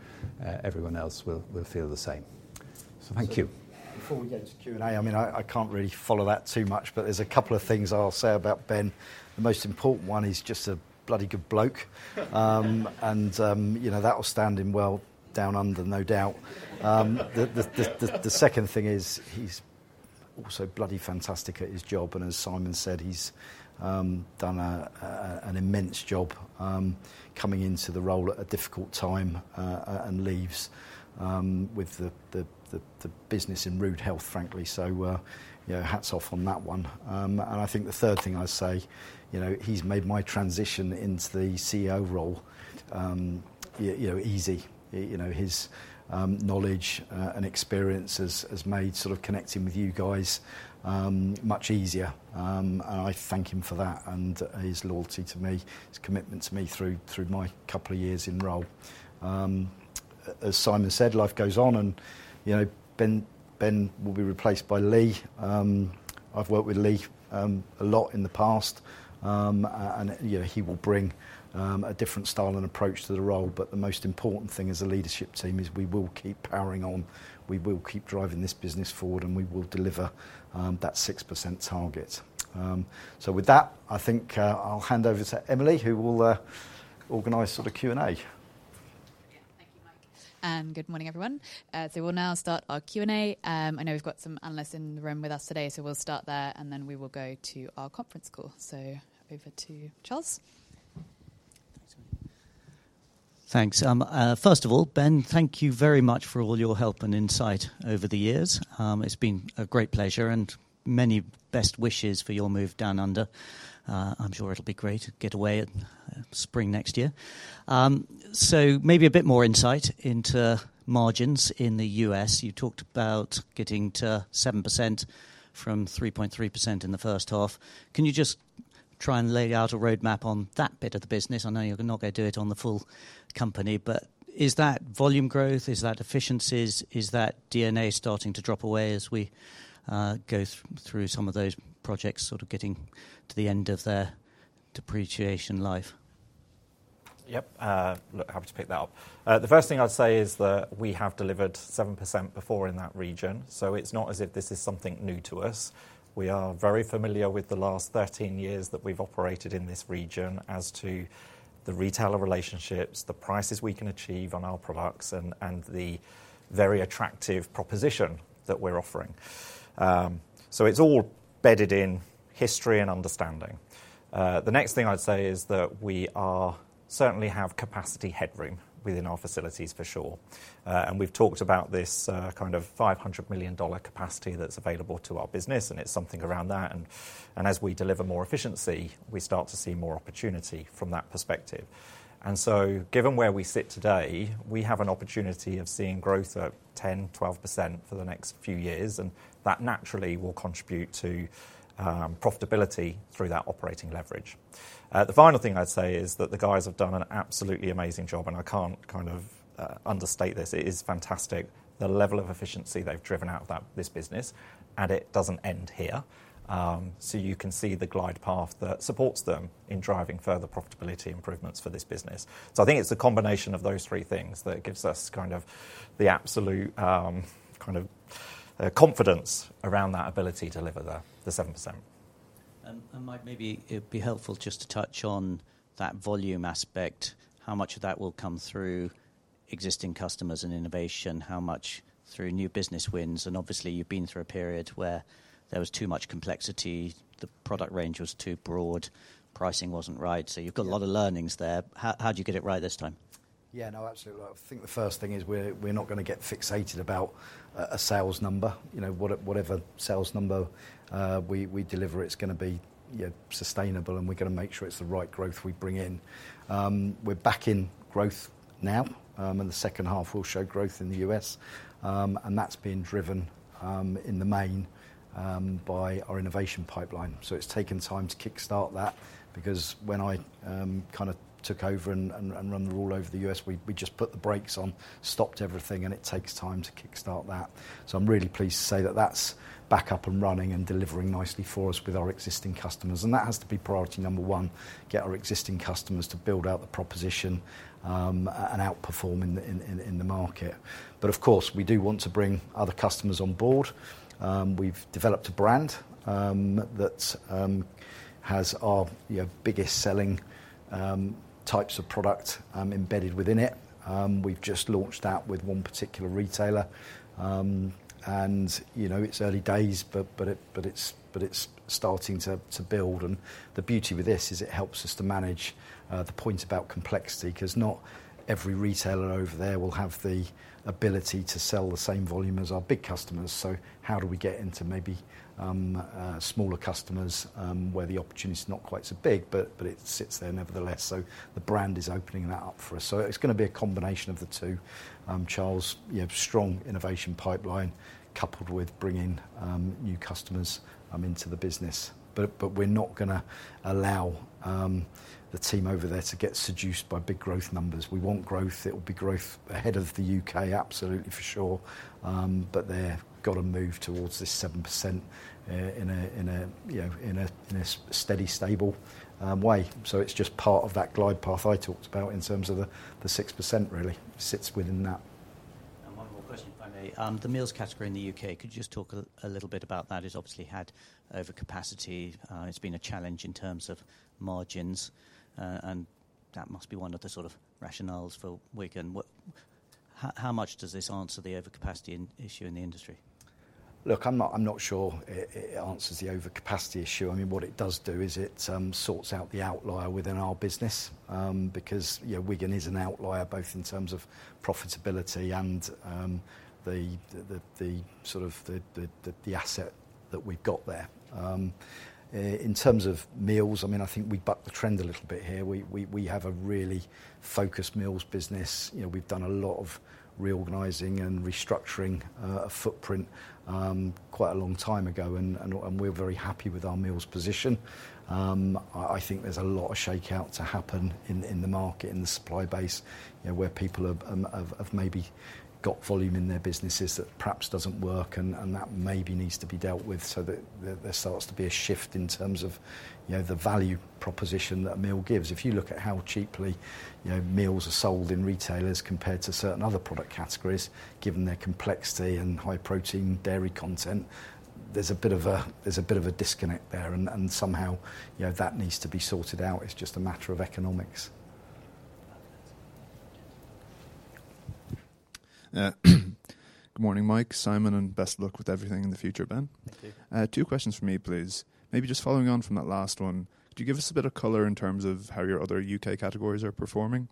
Speaker 1: everyone else will feel the same. So thank you.
Speaker 2: Before we get into Q&A, I mean, I can't really follow that too much, but there's a couple of things I'll say about Ben. The most important one, he's just a bloody good bloke, and you know, that will stand him well Down Under, no doubt. The second thing is, he's also bloody fantastic at his job, and as Simon said, he's done an immense job, coming into the role at a difficult time, and leaves with the business in rude health, frankly. So, you know, hats off on that one, and I think the third thing I'd say, you know, he's made my transition into the CEO role, you know, easy. You know, his knowledge and experience has made sort of connecting with you guys much easier, and I thank him for that and his loyalty to me, his commitment to me through my couple of years in role. As Simon said, life goes on and, you know, Ben will be replaced by Lee. I've worked with Lee a lot in the past, and, you know, he will bring a different style and approach to the role. But the most important thing as a leadership team is we will keep powering on, we will keep driving this business forward, and we will deliver that 6% target, so with that, I think I'll hand over to Emily, who will organize sort of Q&A. Yeah. Thank you, Mike. And good morning, everyone. So we'll now start our Q&A. I know we've got some analysts in the room with us today, so we'll start there, and then we will go to our conference call. So over to Charles.
Speaker 4: Thanks, first of all, Ben, thank you very much for all your help and insight over the years. It's been a great pleasure and many best wishes for your move Down Under. I'm sure it'll be great to get away at spring next year. So maybe a bit more insight into margins in the US. You talked about getting to 7% from 3.3% in the first half. Can you just try and lay out a roadmap on that bit of the business? I know you're not going to do it on the full company, but is that volume growth? Is that efficiencies? Is that D&A starting to drop away as we go through some of those projects, sort of getting to the end of their depreciation life?
Speaker 3: Yep, look, happy to pick that up. The first thing I'd say is that we have delivered 7% before in that region, so it's not as if this is something new to us. We are very familiar with the last 13 years that we've operated in this region as to the retailer relationships, the prices we can achieve on our products, and the very attractive proposition that we're offering. So it's all bedded in history and understanding. The next thing I'd say is that we certainly have capacity headroom within our facilities, for sure. And we've talked about this, kind of $500 million capacity that's available to our business, and it's something around that. As we deliver more efficiency, we start to see more opportunity from that perspective. And so, given where we sit today, we have an opportunity of seeing growth of 10%-12% for the next few years, and that naturally will contribute to profitability through that operating leverage. The final thing I'd say is that the guys have done an absolutely amazing job, and I can't kind of understate this. It is fantastic, the level of efficiency they've driven out of that, this business, and it doesn't end here. So you can see the glide path that supports them in driving further profitability improvements for this business. So I think it's a combination of those three things that gives us kind of the absolute kind of confidence around that ability to deliver the 7%.
Speaker 4: And Mike, maybe it'd be helpful just to touch on that volume aspect, how much of that will come through existing customers and innovation, how much through new business wins? And obviously, you've been through a period where there was too much complexity, the product range was too broad, pricing wasn't right, so you've got a lot of learnings there. How do you get it right this time?
Speaker 2: Yeah, no, absolutely. I think the first thing is we're not going to get fixated about a sales number. You know, whatever sales number we deliver, it's going to be, you know, sustainable, and we're going to make sure it's the right growth we bring in. We're back in growth now, and the second half will show growth in the US, and that's been driven in the main by our innovation pipeline. So it's taken time to kickstart that, because when I kind of took over and run the rule over the US, we just put the brakes on, stopped everything, and it takes time to kickstart that. So I'm really pleased to say that that's back up and running and delivering nicely for us with our existing customers, and that has to be priority number one, get our existing customers to build out the proposition, and outperform in the market. But of course, we do want to bring other customers on board. We've developed a brand that has our, you know, biggest-selling types of product embedded within it. We've just launched that with one particular retailer. And, you know, it's early days, but it's starting to build. And the beauty with this is it helps us to manage the point about complexity, 'cause not every retailer over there will have the ability to sell the same volume as our big customers. So how do we get into maybe smaller customers, where the opportunity is not quite so big, but it sits there nevertheless? The brand is opening that up for us. It's going to be a combination of the two. Charles, you have a strong innovation pipeline, coupled with bringing new customers into the business. But we're not gonna allow the team over there to get seduced by big growth numbers. We want growth. It will be growth ahead of the U.K., absolutely for sure, but they've got to move towards this 7% in a, you know, in a steady, stable way. It's just part of that glide path I talked about in terms of the 6% really, sits within that.
Speaker 4: ...One more question, if I may. The meals category in the UK, could you just talk a little bit about that? It's obviously had overcapacity. It's been a challenge in terms of margins, and that must be one of the sort of rationales for Wigan. How much does this answer the overcapacity issue in the industry?
Speaker 2: Look, I'm not sure it answers the overcapacity issue. I mean, what it does do is it sorts out the outlier within our business. Because, yeah, Wigan is an outlier, both in terms of profitability and the sort of asset that we've got there. In terms of meals, I mean, I think we bucked the trend a little bit here. We have a really focused meals business. You know, we've done a lot of reorganizing and restructuring a footprint quite a long time ago, and we're very happy with our meals position. I think there's a lot of shakeout to happen in the market, in the supply base, you know, where people have maybe got volume in their businesses that perhaps doesn't work, and that maybe needs to be dealt with so that there starts to be a shift in terms of, you know, the value proposition that a meal gives. If you look at how cheaply, you know, meals are sold in retailers compared to certain other product categories, given their complexity and high protein dairy content, there's a bit of a disconnect there, and somehow, you know, that needs to be sorted out. It's just a matter of economics.
Speaker 4: Good morning, Mike, Simon, and best of luck with everything in the future, Ben.
Speaker 3: Thank you.
Speaker 4: Two questions from me, please. Maybe just following on from that last one, could you give us a bit of color in terms of how your other U.K. categories are performing?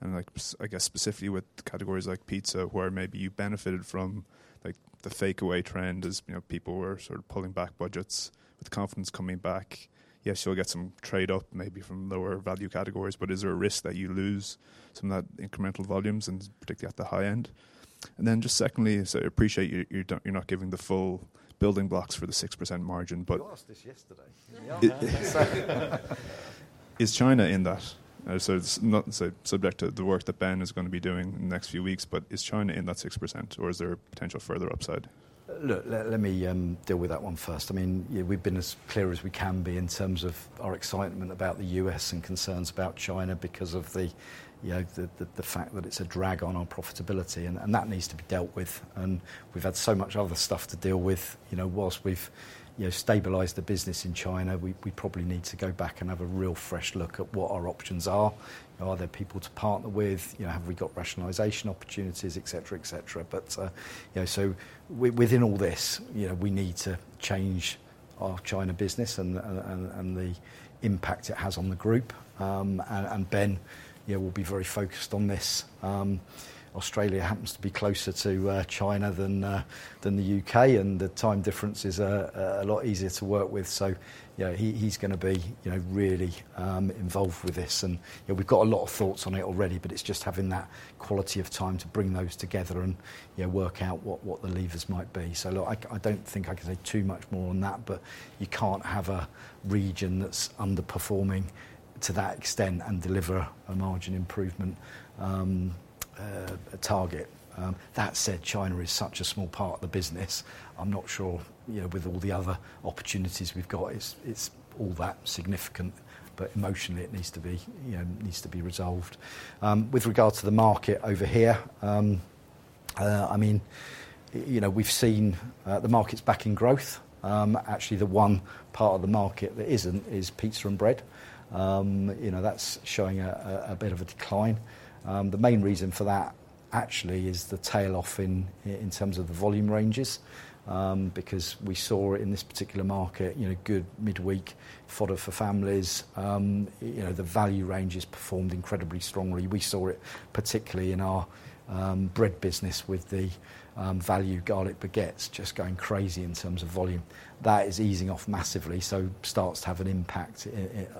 Speaker 4: And like, I guess specifically with categories like pizza, where maybe you benefited from, like, the fakeaway trend, as, you know, people were sort of pulling back budgets. With confidence coming back, yes, you'll get some trade up, maybe from lower value categories, but is there a risk that you lose some of that incremental volumes, and particularly at the high end? And then just secondly, so I appreciate you, you're not giving the full building blocks for the 6% margin, but-
Speaker 2: You asked this yesterday.
Speaker 4: Is China in that? So it's not subject to the work that Ben is going to be doing in the next few weeks, but is China in that 6%, or is there potential further upside?
Speaker 2: Look, let me deal with that one first. I mean, yeah, we've been as clear as we can be in terms of our excitement about the U.S. and concerns about China because of the fact that it's a drag on our profitability, and that needs to be dealt with, and we've had so much other stuff to deal with. You know, whilst we've stabilized the business in China, we probably need to go back and have a real fresh look at what our options are. Are there people to partner with? You know, have we got rationalization opportunities, et cetera, et cetera. But within all this, you know, we need to change our China business and the impact it has on the group. And Ben, you know, will be very focused on this. Australia happens to be closer to China than the UK, and the time difference is a lot easier to work with. So, you know, he, he's gonna be, you know, really involved with this, and, you know, we've got a lot of thoughts on it already, but it's just having that quality of time to bring those together and, you know, work out what the levers might be. So look, I don't think I can say too much more on that, but you can't have a region that's underperforming to that extent and deliver a margin improvement target. That said, China is such a small part of the business. I'm not sure, you know, with all the other opportunities we've got, it's all that significant, but emotionally, it needs to be, you know, needs to be resolved. With regard to the market over here, I mean, you know, we've seen the market's back in growth. Actually, the one part of the market that isn't is pizza and bread. You know, that's showing a bit of a decline. The main reason for that, actually, is the tail off in terms of the value ranges. Because we saw in this particular market, you know, good midweek fodder for families, you know, the value ranges performed incredibly strongly. We saw it particularly in our bread business with the value garlic baguettes just going crazy in terms of volume. That is easing off massively, so starts to have an impact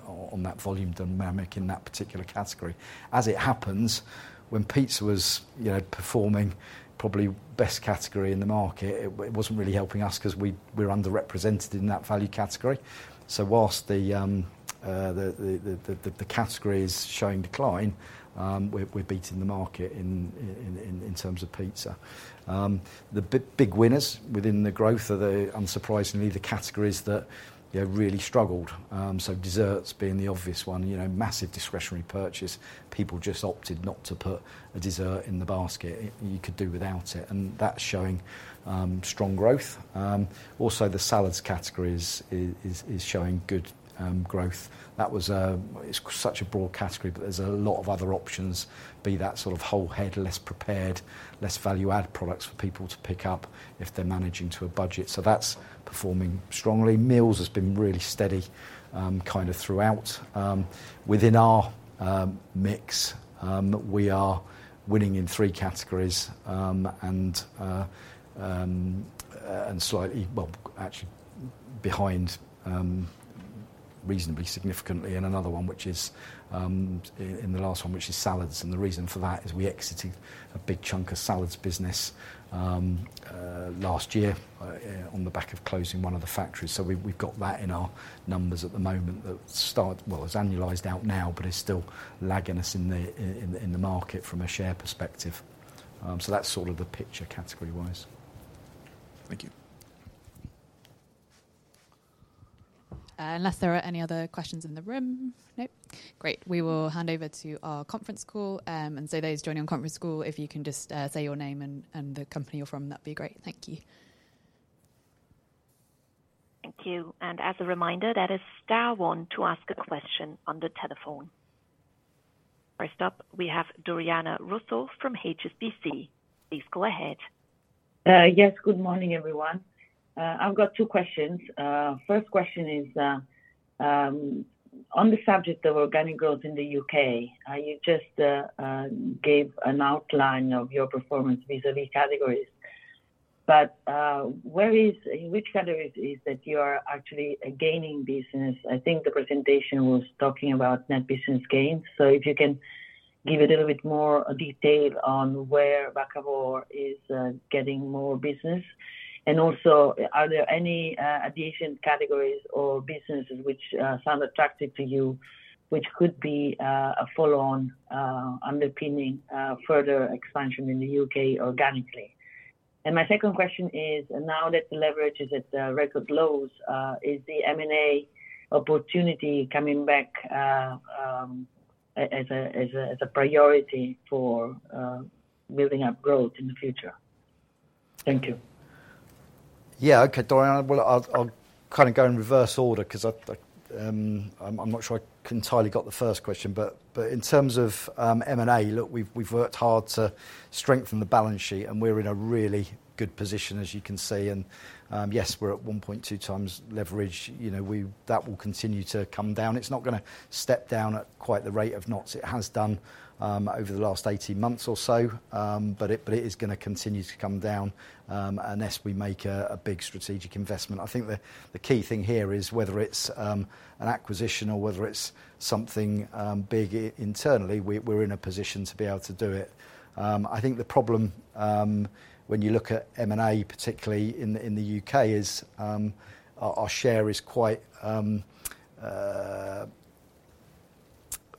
Speaker 2: on that volume dynamic in that particular category. As it happens, when pizza was, you know, performing probably best category in the market, it wasn't really helping us 'cause we, we're underrepresented in that value category. So whilst the category is showing decline, we're beating the market in terms of pizza. The big winners within the growth are unsurprisingly the categories that, you know, really struggled. So desserts being the obvious one, you know, massive discretionary purchase. People just opted not to put a dessert in the basket. You could do without it, and that's showing strong growth. Also, the salads category is showing good growth. That was, a... It's such a broad category, but there's a lot of other options, be that sort of whole head, less prepared, less value-add products for people to pick up if they're managing to a budget. So that's performing strongly. Meals has been really steady, kind of throughout. Within our mix, we are winning in three categories, and slightly, well, actually behind, reasonably significantly in another one, which is in the last one, which is salads. And the reason for that is we exited a big chunk of salads business last year on the back of closing one of the factories. So we've got that in our numbers at the moment. Well, it's annualized out now, but it's still lagging us in the market from a share perspective. So that's sort of the picture category-wise.
Speaker 4: Thank you. ... unless there are any other questions in the room? Nope. Great, we will hand over to our conference call, and so those joining on conference call, if you can just say your name and the company you're from, that'd be great. Thank you.
Speaker 5: Thank you, and as a reminder, that is star one to ask a question on the telephone. First up, we have Doriana Russo from HSBC. Please go ahead.
Speaker 6: Yes, good morning, everyone. I've got two questions. First question is on the subject of organic growth in the UK, you just gave an outline of your performance vis-a-vis categories. But, where is in which categories is that you are actually gaining business? I think the presentation was talking about net business gain. So if you can give a little bit more detail on where Bakkavor is getting more business. And also, are there any adjacent categories or businesses which sound attractive to you, which could be a follow-on underpinning further expansion in the UK organically? And my second question is, now that the leverage is at record lows, is the M&A opportunity coming back as a priority for building up growth in the future? Thank you.
Speaker 2: Yeah, okay, Doriana. Well, I'll kind of go in reverse order 'cause I'm not sure I entirely got the first question, but in terms of M&A, look, we've worked hard to strengthen the balance sheet, and we're in a really good position, as you can see, and yes, we're at one point two times leverage. You know, that will continue to come down. It's not going to step down at quite the rate of knots it has done over the last eighteen months or so, but it is going to continue to come down unless we make a big strategic investment. I think the key thing here is whether it's an acquisition or whether it's something big internally. We're in a position to be able to do it. I think the problem, when you look at M&A, particularly in the UK, is our share is quite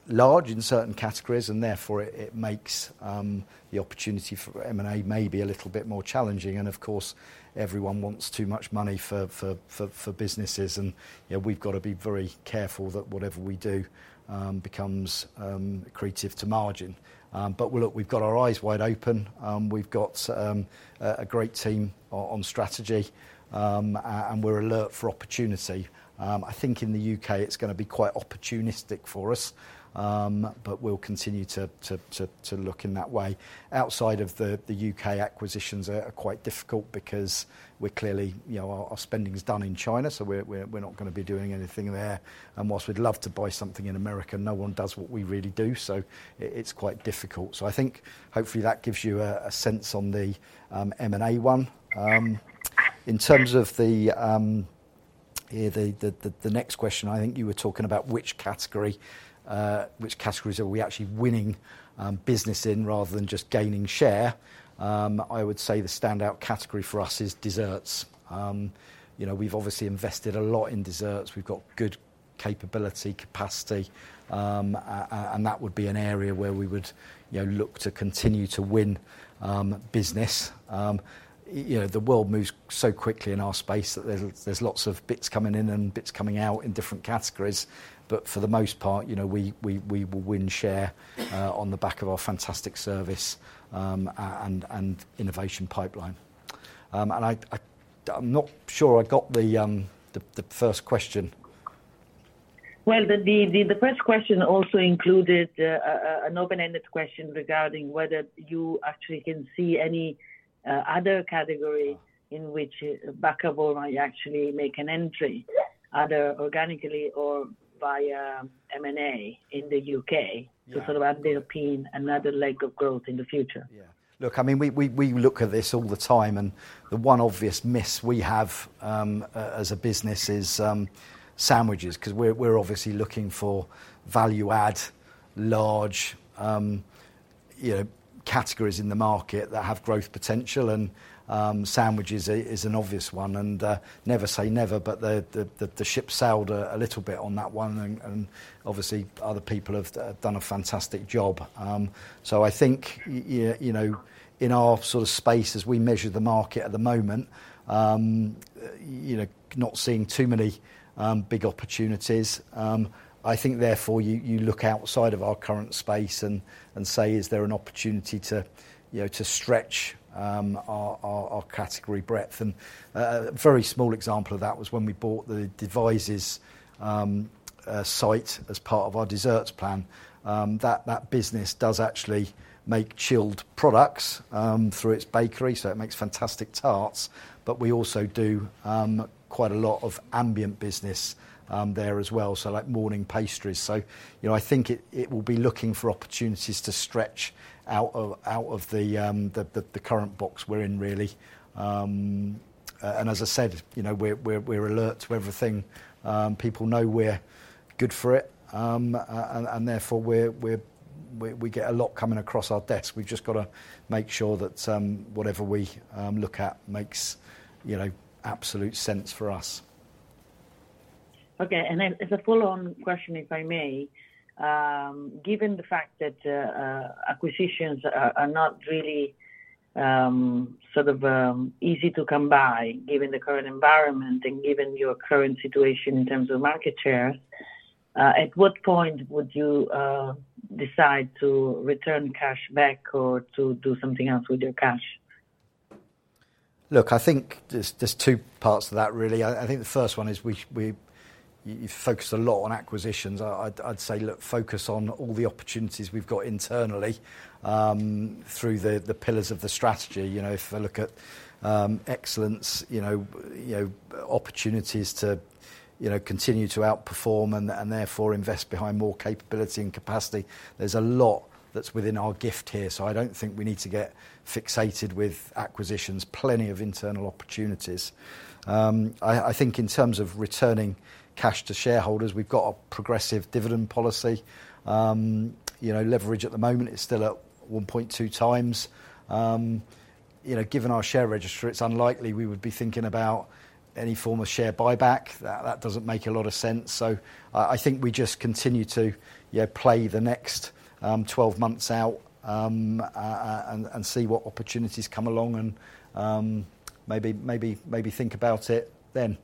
Speaker 2: large in certain categories, and therefore it makes the opportunity for M&A maybe a little bit more challenging. Of course, everyone wants too much money for businesses, and you know, we've got to be very careful that whatever we do becomes accretive to margin. Well, look, we've got our eyes wide open. We've got a great team on strategy, and we're alert for opportunity. I think in the UK, it's going to be quite opportunistic for us, but we'll continue to look in that way. Outside of the UK, acquisitions are quite difficult because we're clearly... You know, our spending is done in China, so we're not going to be doing anything there, and while we'd love to buy something in America, no one does what we really do, so it's quite difficult, so I think hopefully that gives you a sense on the M&A one. In terms of the next question, I think you were talking about which category, which categories are we actually winning business in rather than just gaining share. I would say the standout category for us is desserts. You know, we've obviously invested a lot in desserts. We've got good capability, capacity, and that would be an area where we would, you know, look to continue to win business. You know, the world moves so quickly in our space that there's lots of bits coming in and bits coming out in different categories. But for the most part, you know, we will win share on the back of our fantastic service and innovation pipeline. I'm not sure I got the first question.
Speaker 6: The first question also included an open-ended question regarding whether you actually can see any other category in which Bakkavor might actually make an entry, either organically or via M&A in the UK?
Speaker 2: Yeah...
Speaker 6: to sort of underpin another leg of growth in the future.
Speaker 2: Yeah. Look, I mean, we look at this all the time, and the one obvious miss we have as a business is sandwiches, 'cause we're obviously looking for value add, large, you know, categories in the market that have growth potential, and sandwiches is an obvious one, and never say never, but the ship sailed a little bit on that one, and obviously other people have done a fantastic job, so I think you know, in our sort of space as we measure the market at the moment, you know, not seeing too many big opportunities. I think therefore, you look outside of our current space and say: Is there an opportunity to, you know, to stretch our category breadth? A very small example of that was when we bought the Devizes site as part of our desserts plan. That business does actually make chilled products through its bakery, so it makes fantastic tarts, but we also do quite a lot of ambient business there as well, so like morning pastries. You know, I think it will be looking for opportunities to stretch out of the current box we're in, really. And as I said, you know, we're alert to everything. People know we're good for it, and therefore, we get a lot coming across our desk. We've just got to make sure that whatever we look at makes, you know, absolute sense for us.
Speaker 6: Okay, and then as a follow-on question, if I may, given the fact that acquisitions are not really easy to come by, given the current environment and given your current situation in terms of market share, at what point would you decide to return cash back or to do something else with your cash?
Speaker 2: Look, I think there's two parts to that, really. I think the first one is you focus a lot on acquisitions. I'd say, look, focus on all the opportunities we've got internally, through the pillars of the strategy. You know, if I look at excellence, you know, opportunities to continue to outperform and therefore invest behind more capability and capacity, there's a lot that's within our gift here. So I don't think we need to get fixated with acquisitions. Plenty of internal opportunities. I think in terms of returning cash to shareholders, we've got a progressive dividend policy. You know, leverage at the moment is still at one point two times. You know, given our share register, it's unlikely we would be thinking about any form of share buyback. That, that doesn't make a lot of sense. So, I think we just continue to, yeah, play the next twelve months out, and see what opportunities come along, and maybe think about it then.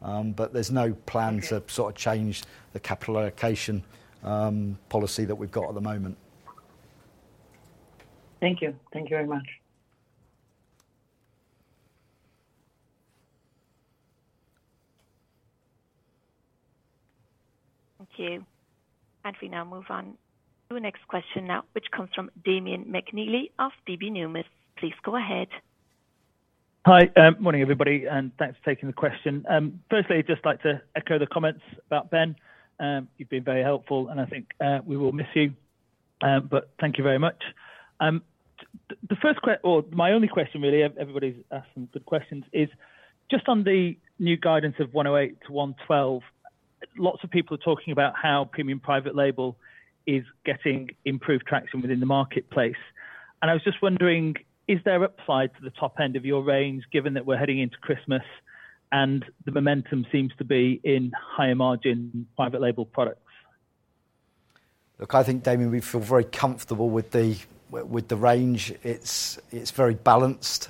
Speaker 2: But there's no plan-
Speaker 6: Okay...
Speaker 2: to sort of change the capital allocation, policy that we've got at the moment.
Speaker 6: Thank you. Thank you very much.
Speaker 5: Thank you. And we now move on to the next question now, which comes from Damian McNeilly of DB Numis. Please go ahead.
Speaker 7: Hi, morning, everybody, and thanks for taking the question. Firstly, I'd just like to echo the comments about Ben. You've been very helpful, and I think, we will miss you, but thank you very much. The first question or my only question, really, everybody's asked some good questions, is just on the new guidance of 108-112, lots of people are talking about how premium private label is getting improved traction within the marketplace. And I was just wondering, is there upside to the top end of your range, given that we're heading into Christmas, and the momentum seems to be in higher margin private label products?
Speaker 2: Look, I think, Damian, we feel very comfortable with the range. It's very balanced.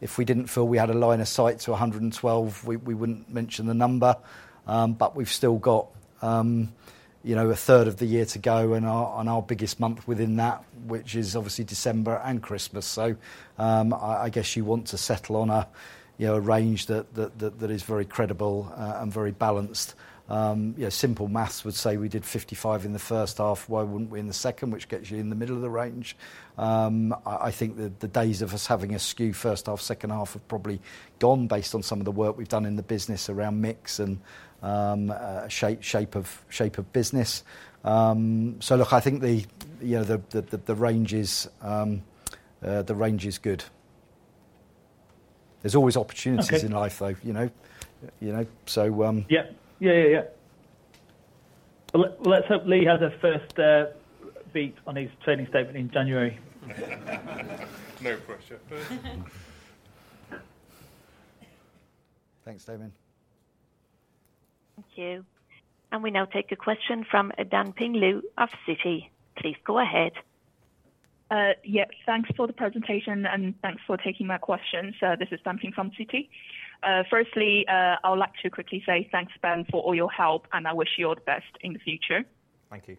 Speaker 2: If we didn't feel we had a line of sight to a hundred and twelve, we wouldn't mention the number. But we've still got, you know, a third of the year to go, and our biggest month within that, which is obviously December and Christmas. So, I guess you want to settle on a, you know, a range that is very credible and very balanced. You know, simple math would say we did fifty-five in the first half, why wouldn't we in the second? Which gets you in the middle of the range. I think the days of us having a skewed first half, second half have probably gone, based on some of the work we've done in the business around mix and shape of business. So look, I think you know the range is good. There's always opportunities-
Speaker 7: Okay...
Speaker 2: in life, though, you know? You know, so,
Speaker 7: Yeah. Yeah, yeah, yeah. Let's hope Lee has a first beat on his trading statement in January.
Speaker 6: No pressure.
Speaker 2: Thanks, Damian.
Speaker 5: Thank you. And we now take a question from Danping Lu of Citi. Please go ahead.
Speaker 8: Yep, thanks for the presentation, and thanks for taking my question. So this is Dan Ping from Citi. Firstly, I would like to quickly say thanks, Ben, for all your help, and I wish you all the best in the future.
Speaker 2: Thank you.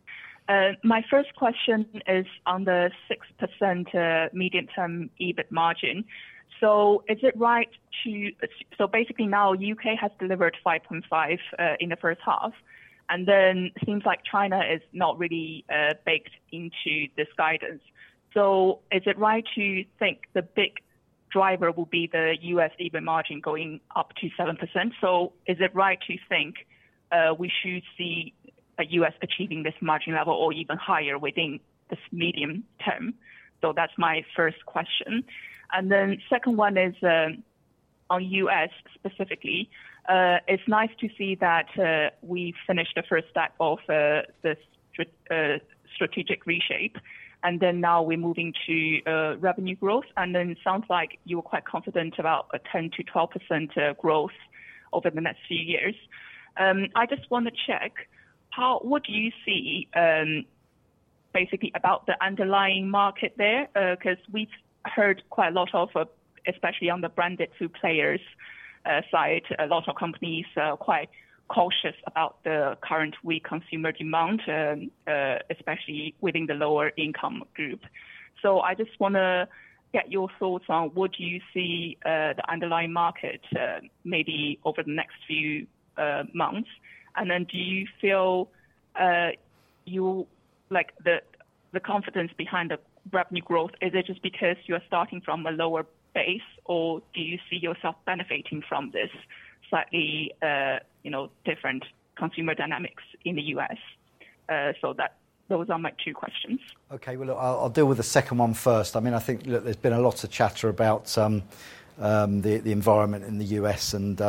Speaker 8: My first question is on the 6% medium-term EBIT margin. So is it right? So basically now, the U.K. has delivered 5.5% in the first half, and then seems like China is not really baked into this guidance. So is it right to think the big driver will be the U.S. EBIT margin going up to 7%? So is it right to think we should see the U.S. achieving this margin level or even higher within this medium term? So that's my first question. And then second one is on U.S. specifically. It's nice to see that we've finished the first phase of the strategic reshape, and then now we're moving to revenue growth. And then it sounds like you're quite confident about a 10%-12% growth over the next few years. I just want to check: how would you see basically about the underlying market there? 'Cause we've heard quite a lot of, especially on the branded food players side, a lot of companies are quite cautious about the current weak consumer demand, especially within the lower income group. So I just wanna get your thoughts on what you see the underlying market maybe over the next few months. And then do you feel like the confidence behind the revenue growth is it just because you're starting from a lower base, or do you see yourself benefiting from this slightly you know different consumer dynamics in the U.S.? So those are my two questions.
Speaker 2: Okay. Well, I'll deal with the second one first. I mean, I think, look, there's been a lot of chatter about the environment in the U.S., and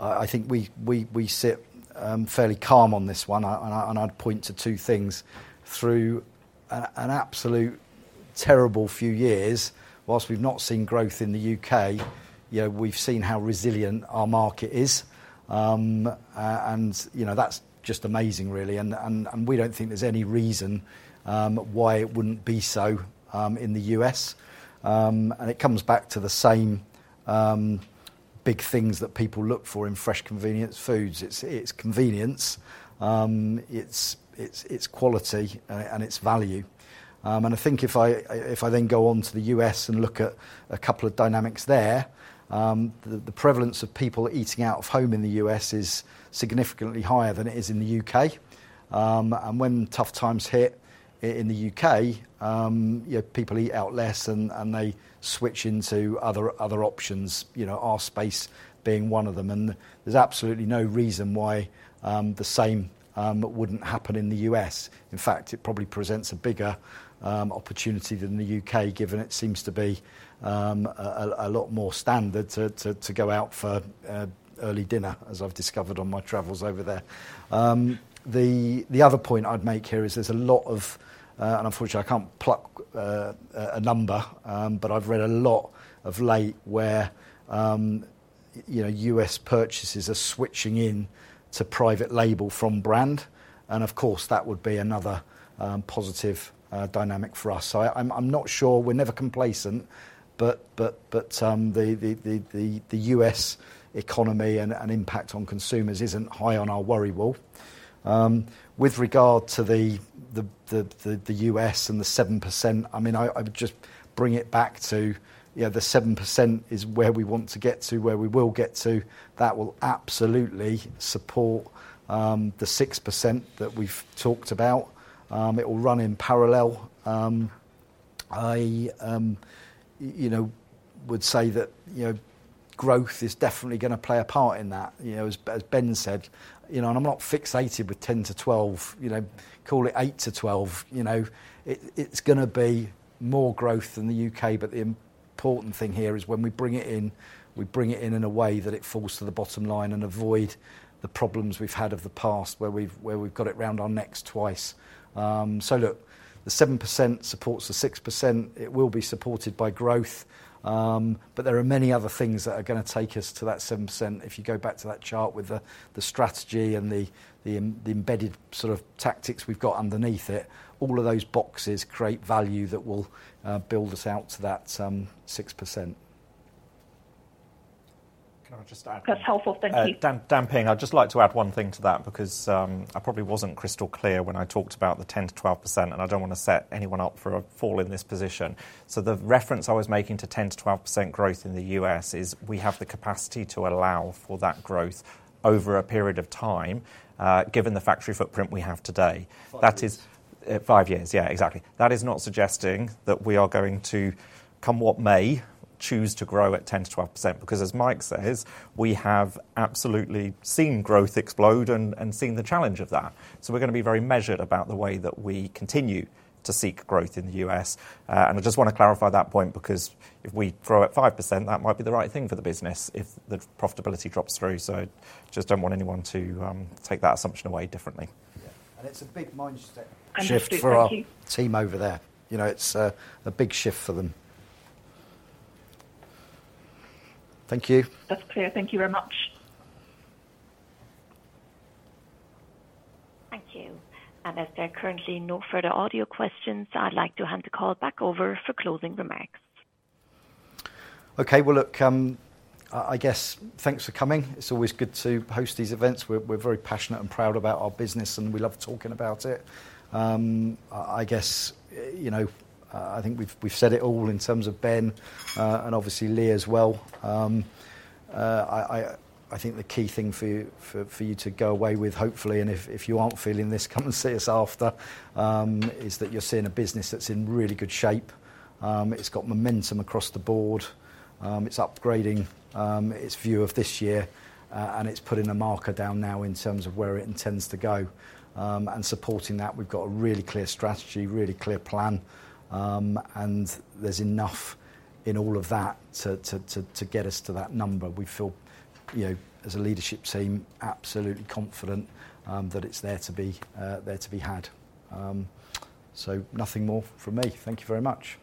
Speaker 2: I think we sit fairly calm on this one, and I'd point to two things. Through an absolute terrible few years, whilst we've not seen growth in the U.K., you know, we've seen how resilient our market is. And, you know, that's just amazing, really, and we don't think there's any reason why it wouldn't be so in the U.S. And it comes back to the same big things that people look for in fresh convenience foods. It's convenience, it's quality, and it's value. And I think if I then go on to the U.S. and look at a couple of dynamics there, the prevalence of people eating out of home in the U.S. is significantly higher than it is in the U.K. And when tough times hit in the U.K., you know, people eat out less and they switch into other options, you know, our space being one of them. And there's absolutely no reason why the same wouldn't happen in the U.S. In fact, it probably presents a bigger opportunity than the U.K., given it seems to be a lot more standard to go out for early dinner, as I've discovered on my travels over there. The other point I'd make here is there's a lot of... Unfortunately, I can't pluck a number, but I've read a lot of late where, you know, U.S. purchasers are switching into private label from brand, and of course, that would be another positive dynamic for us. So I'm not sure. We're never complacent, but the U.S. economy and impact on consumers isn't high on our worry wall. With regard to the U.S. and the 7%, I mean, I would just bring it back to, you know, the 7% is where we want to get to, where we will get to. That will absolutely support the 6% that we've talked about. It will run in parallel. I, you know, would say that, you know, growth is definitely going to play a part in that. You know, as Ben said, you know, and I'm not fixated with 10-12, you know, call it 8-12, you know, it's going to be more growth than the UK. But the important thing here is when we bring it in, we bring it in in a way that it falls to the bottom line and avoid the problems we've had of the past, where we've got it around our necks twice. So look, the 7% supports the 6%. It will be supported by growth, but there are many other things that are going to take us to that 7%. If you go back to that chart with the strategy and the embedded sort of tactics we've got underneath it, all of those boxes create value that will build us out to that 6%.
Speaker 3: Can I just add?
Speaker 8: That's helpful. Thank you.
Speaker 3: Dan Ping Lu. I'd just like to add one thing to that, because I probably wasn't crystal clear when I talked about the 10%-12%, and I don't want to set anyone up for a fall in this position. So the reference I was making to 10%-12% growth in the U.S. is we have the capacity to allow for that growth over a period of time, given the factory footprint we have today.
Speaker 2: Five years.
Speaker 3: That is five years. Yeah, exactly. That is not suggesting that we are going to, come what may, choose to grow at 10%-12% because, as Mike says, we have absolutely seen growth explode and seen the challenge of that. So we're going to be very measured about the way that we continue to seek growth in the U.S. And I just want to clarify that point, because if we grow at 5%, that might be the right thing for the business if the profitability drops through. So I just don't want anyone to take that assumption away differently.
Speaker 2: Yeah. And it's a big mind shift-
Speaker 8: Understood. Thank you....
Speaker 2: for our team over there. You know, it's a big shift for them. Thank you.
Speaker 8: That's clear. Thank you very much.
Speaker 5: Thank you. And as there are currently no further audio questions, I'd like to hand the call back over for closing remarks.
Speaker 2: Okay, well, look, I guess thanks for coming. It's always good to host these events. We're very passionate and proud about our business, and we love talking about it. I guess, you know, I think we've said it all in terms of Ben, and obviously Lee as well. I think the key thing for you to go away with, hopefully, and if you aren't feeling this, come and see us after, is that you're seeing a business that's in really good shape. It's got momentum across the board, it's upgrading its view of this year, and it's putting a marker down now in terms of where it intends to go. And supporting that, we've got a really clear strategy, really clear plan, and there's enough in all of that to get us to that number. We feel, you know, as a leadership team, absolutely confident that it's there to be had. So nothing more from me. Thank you very much.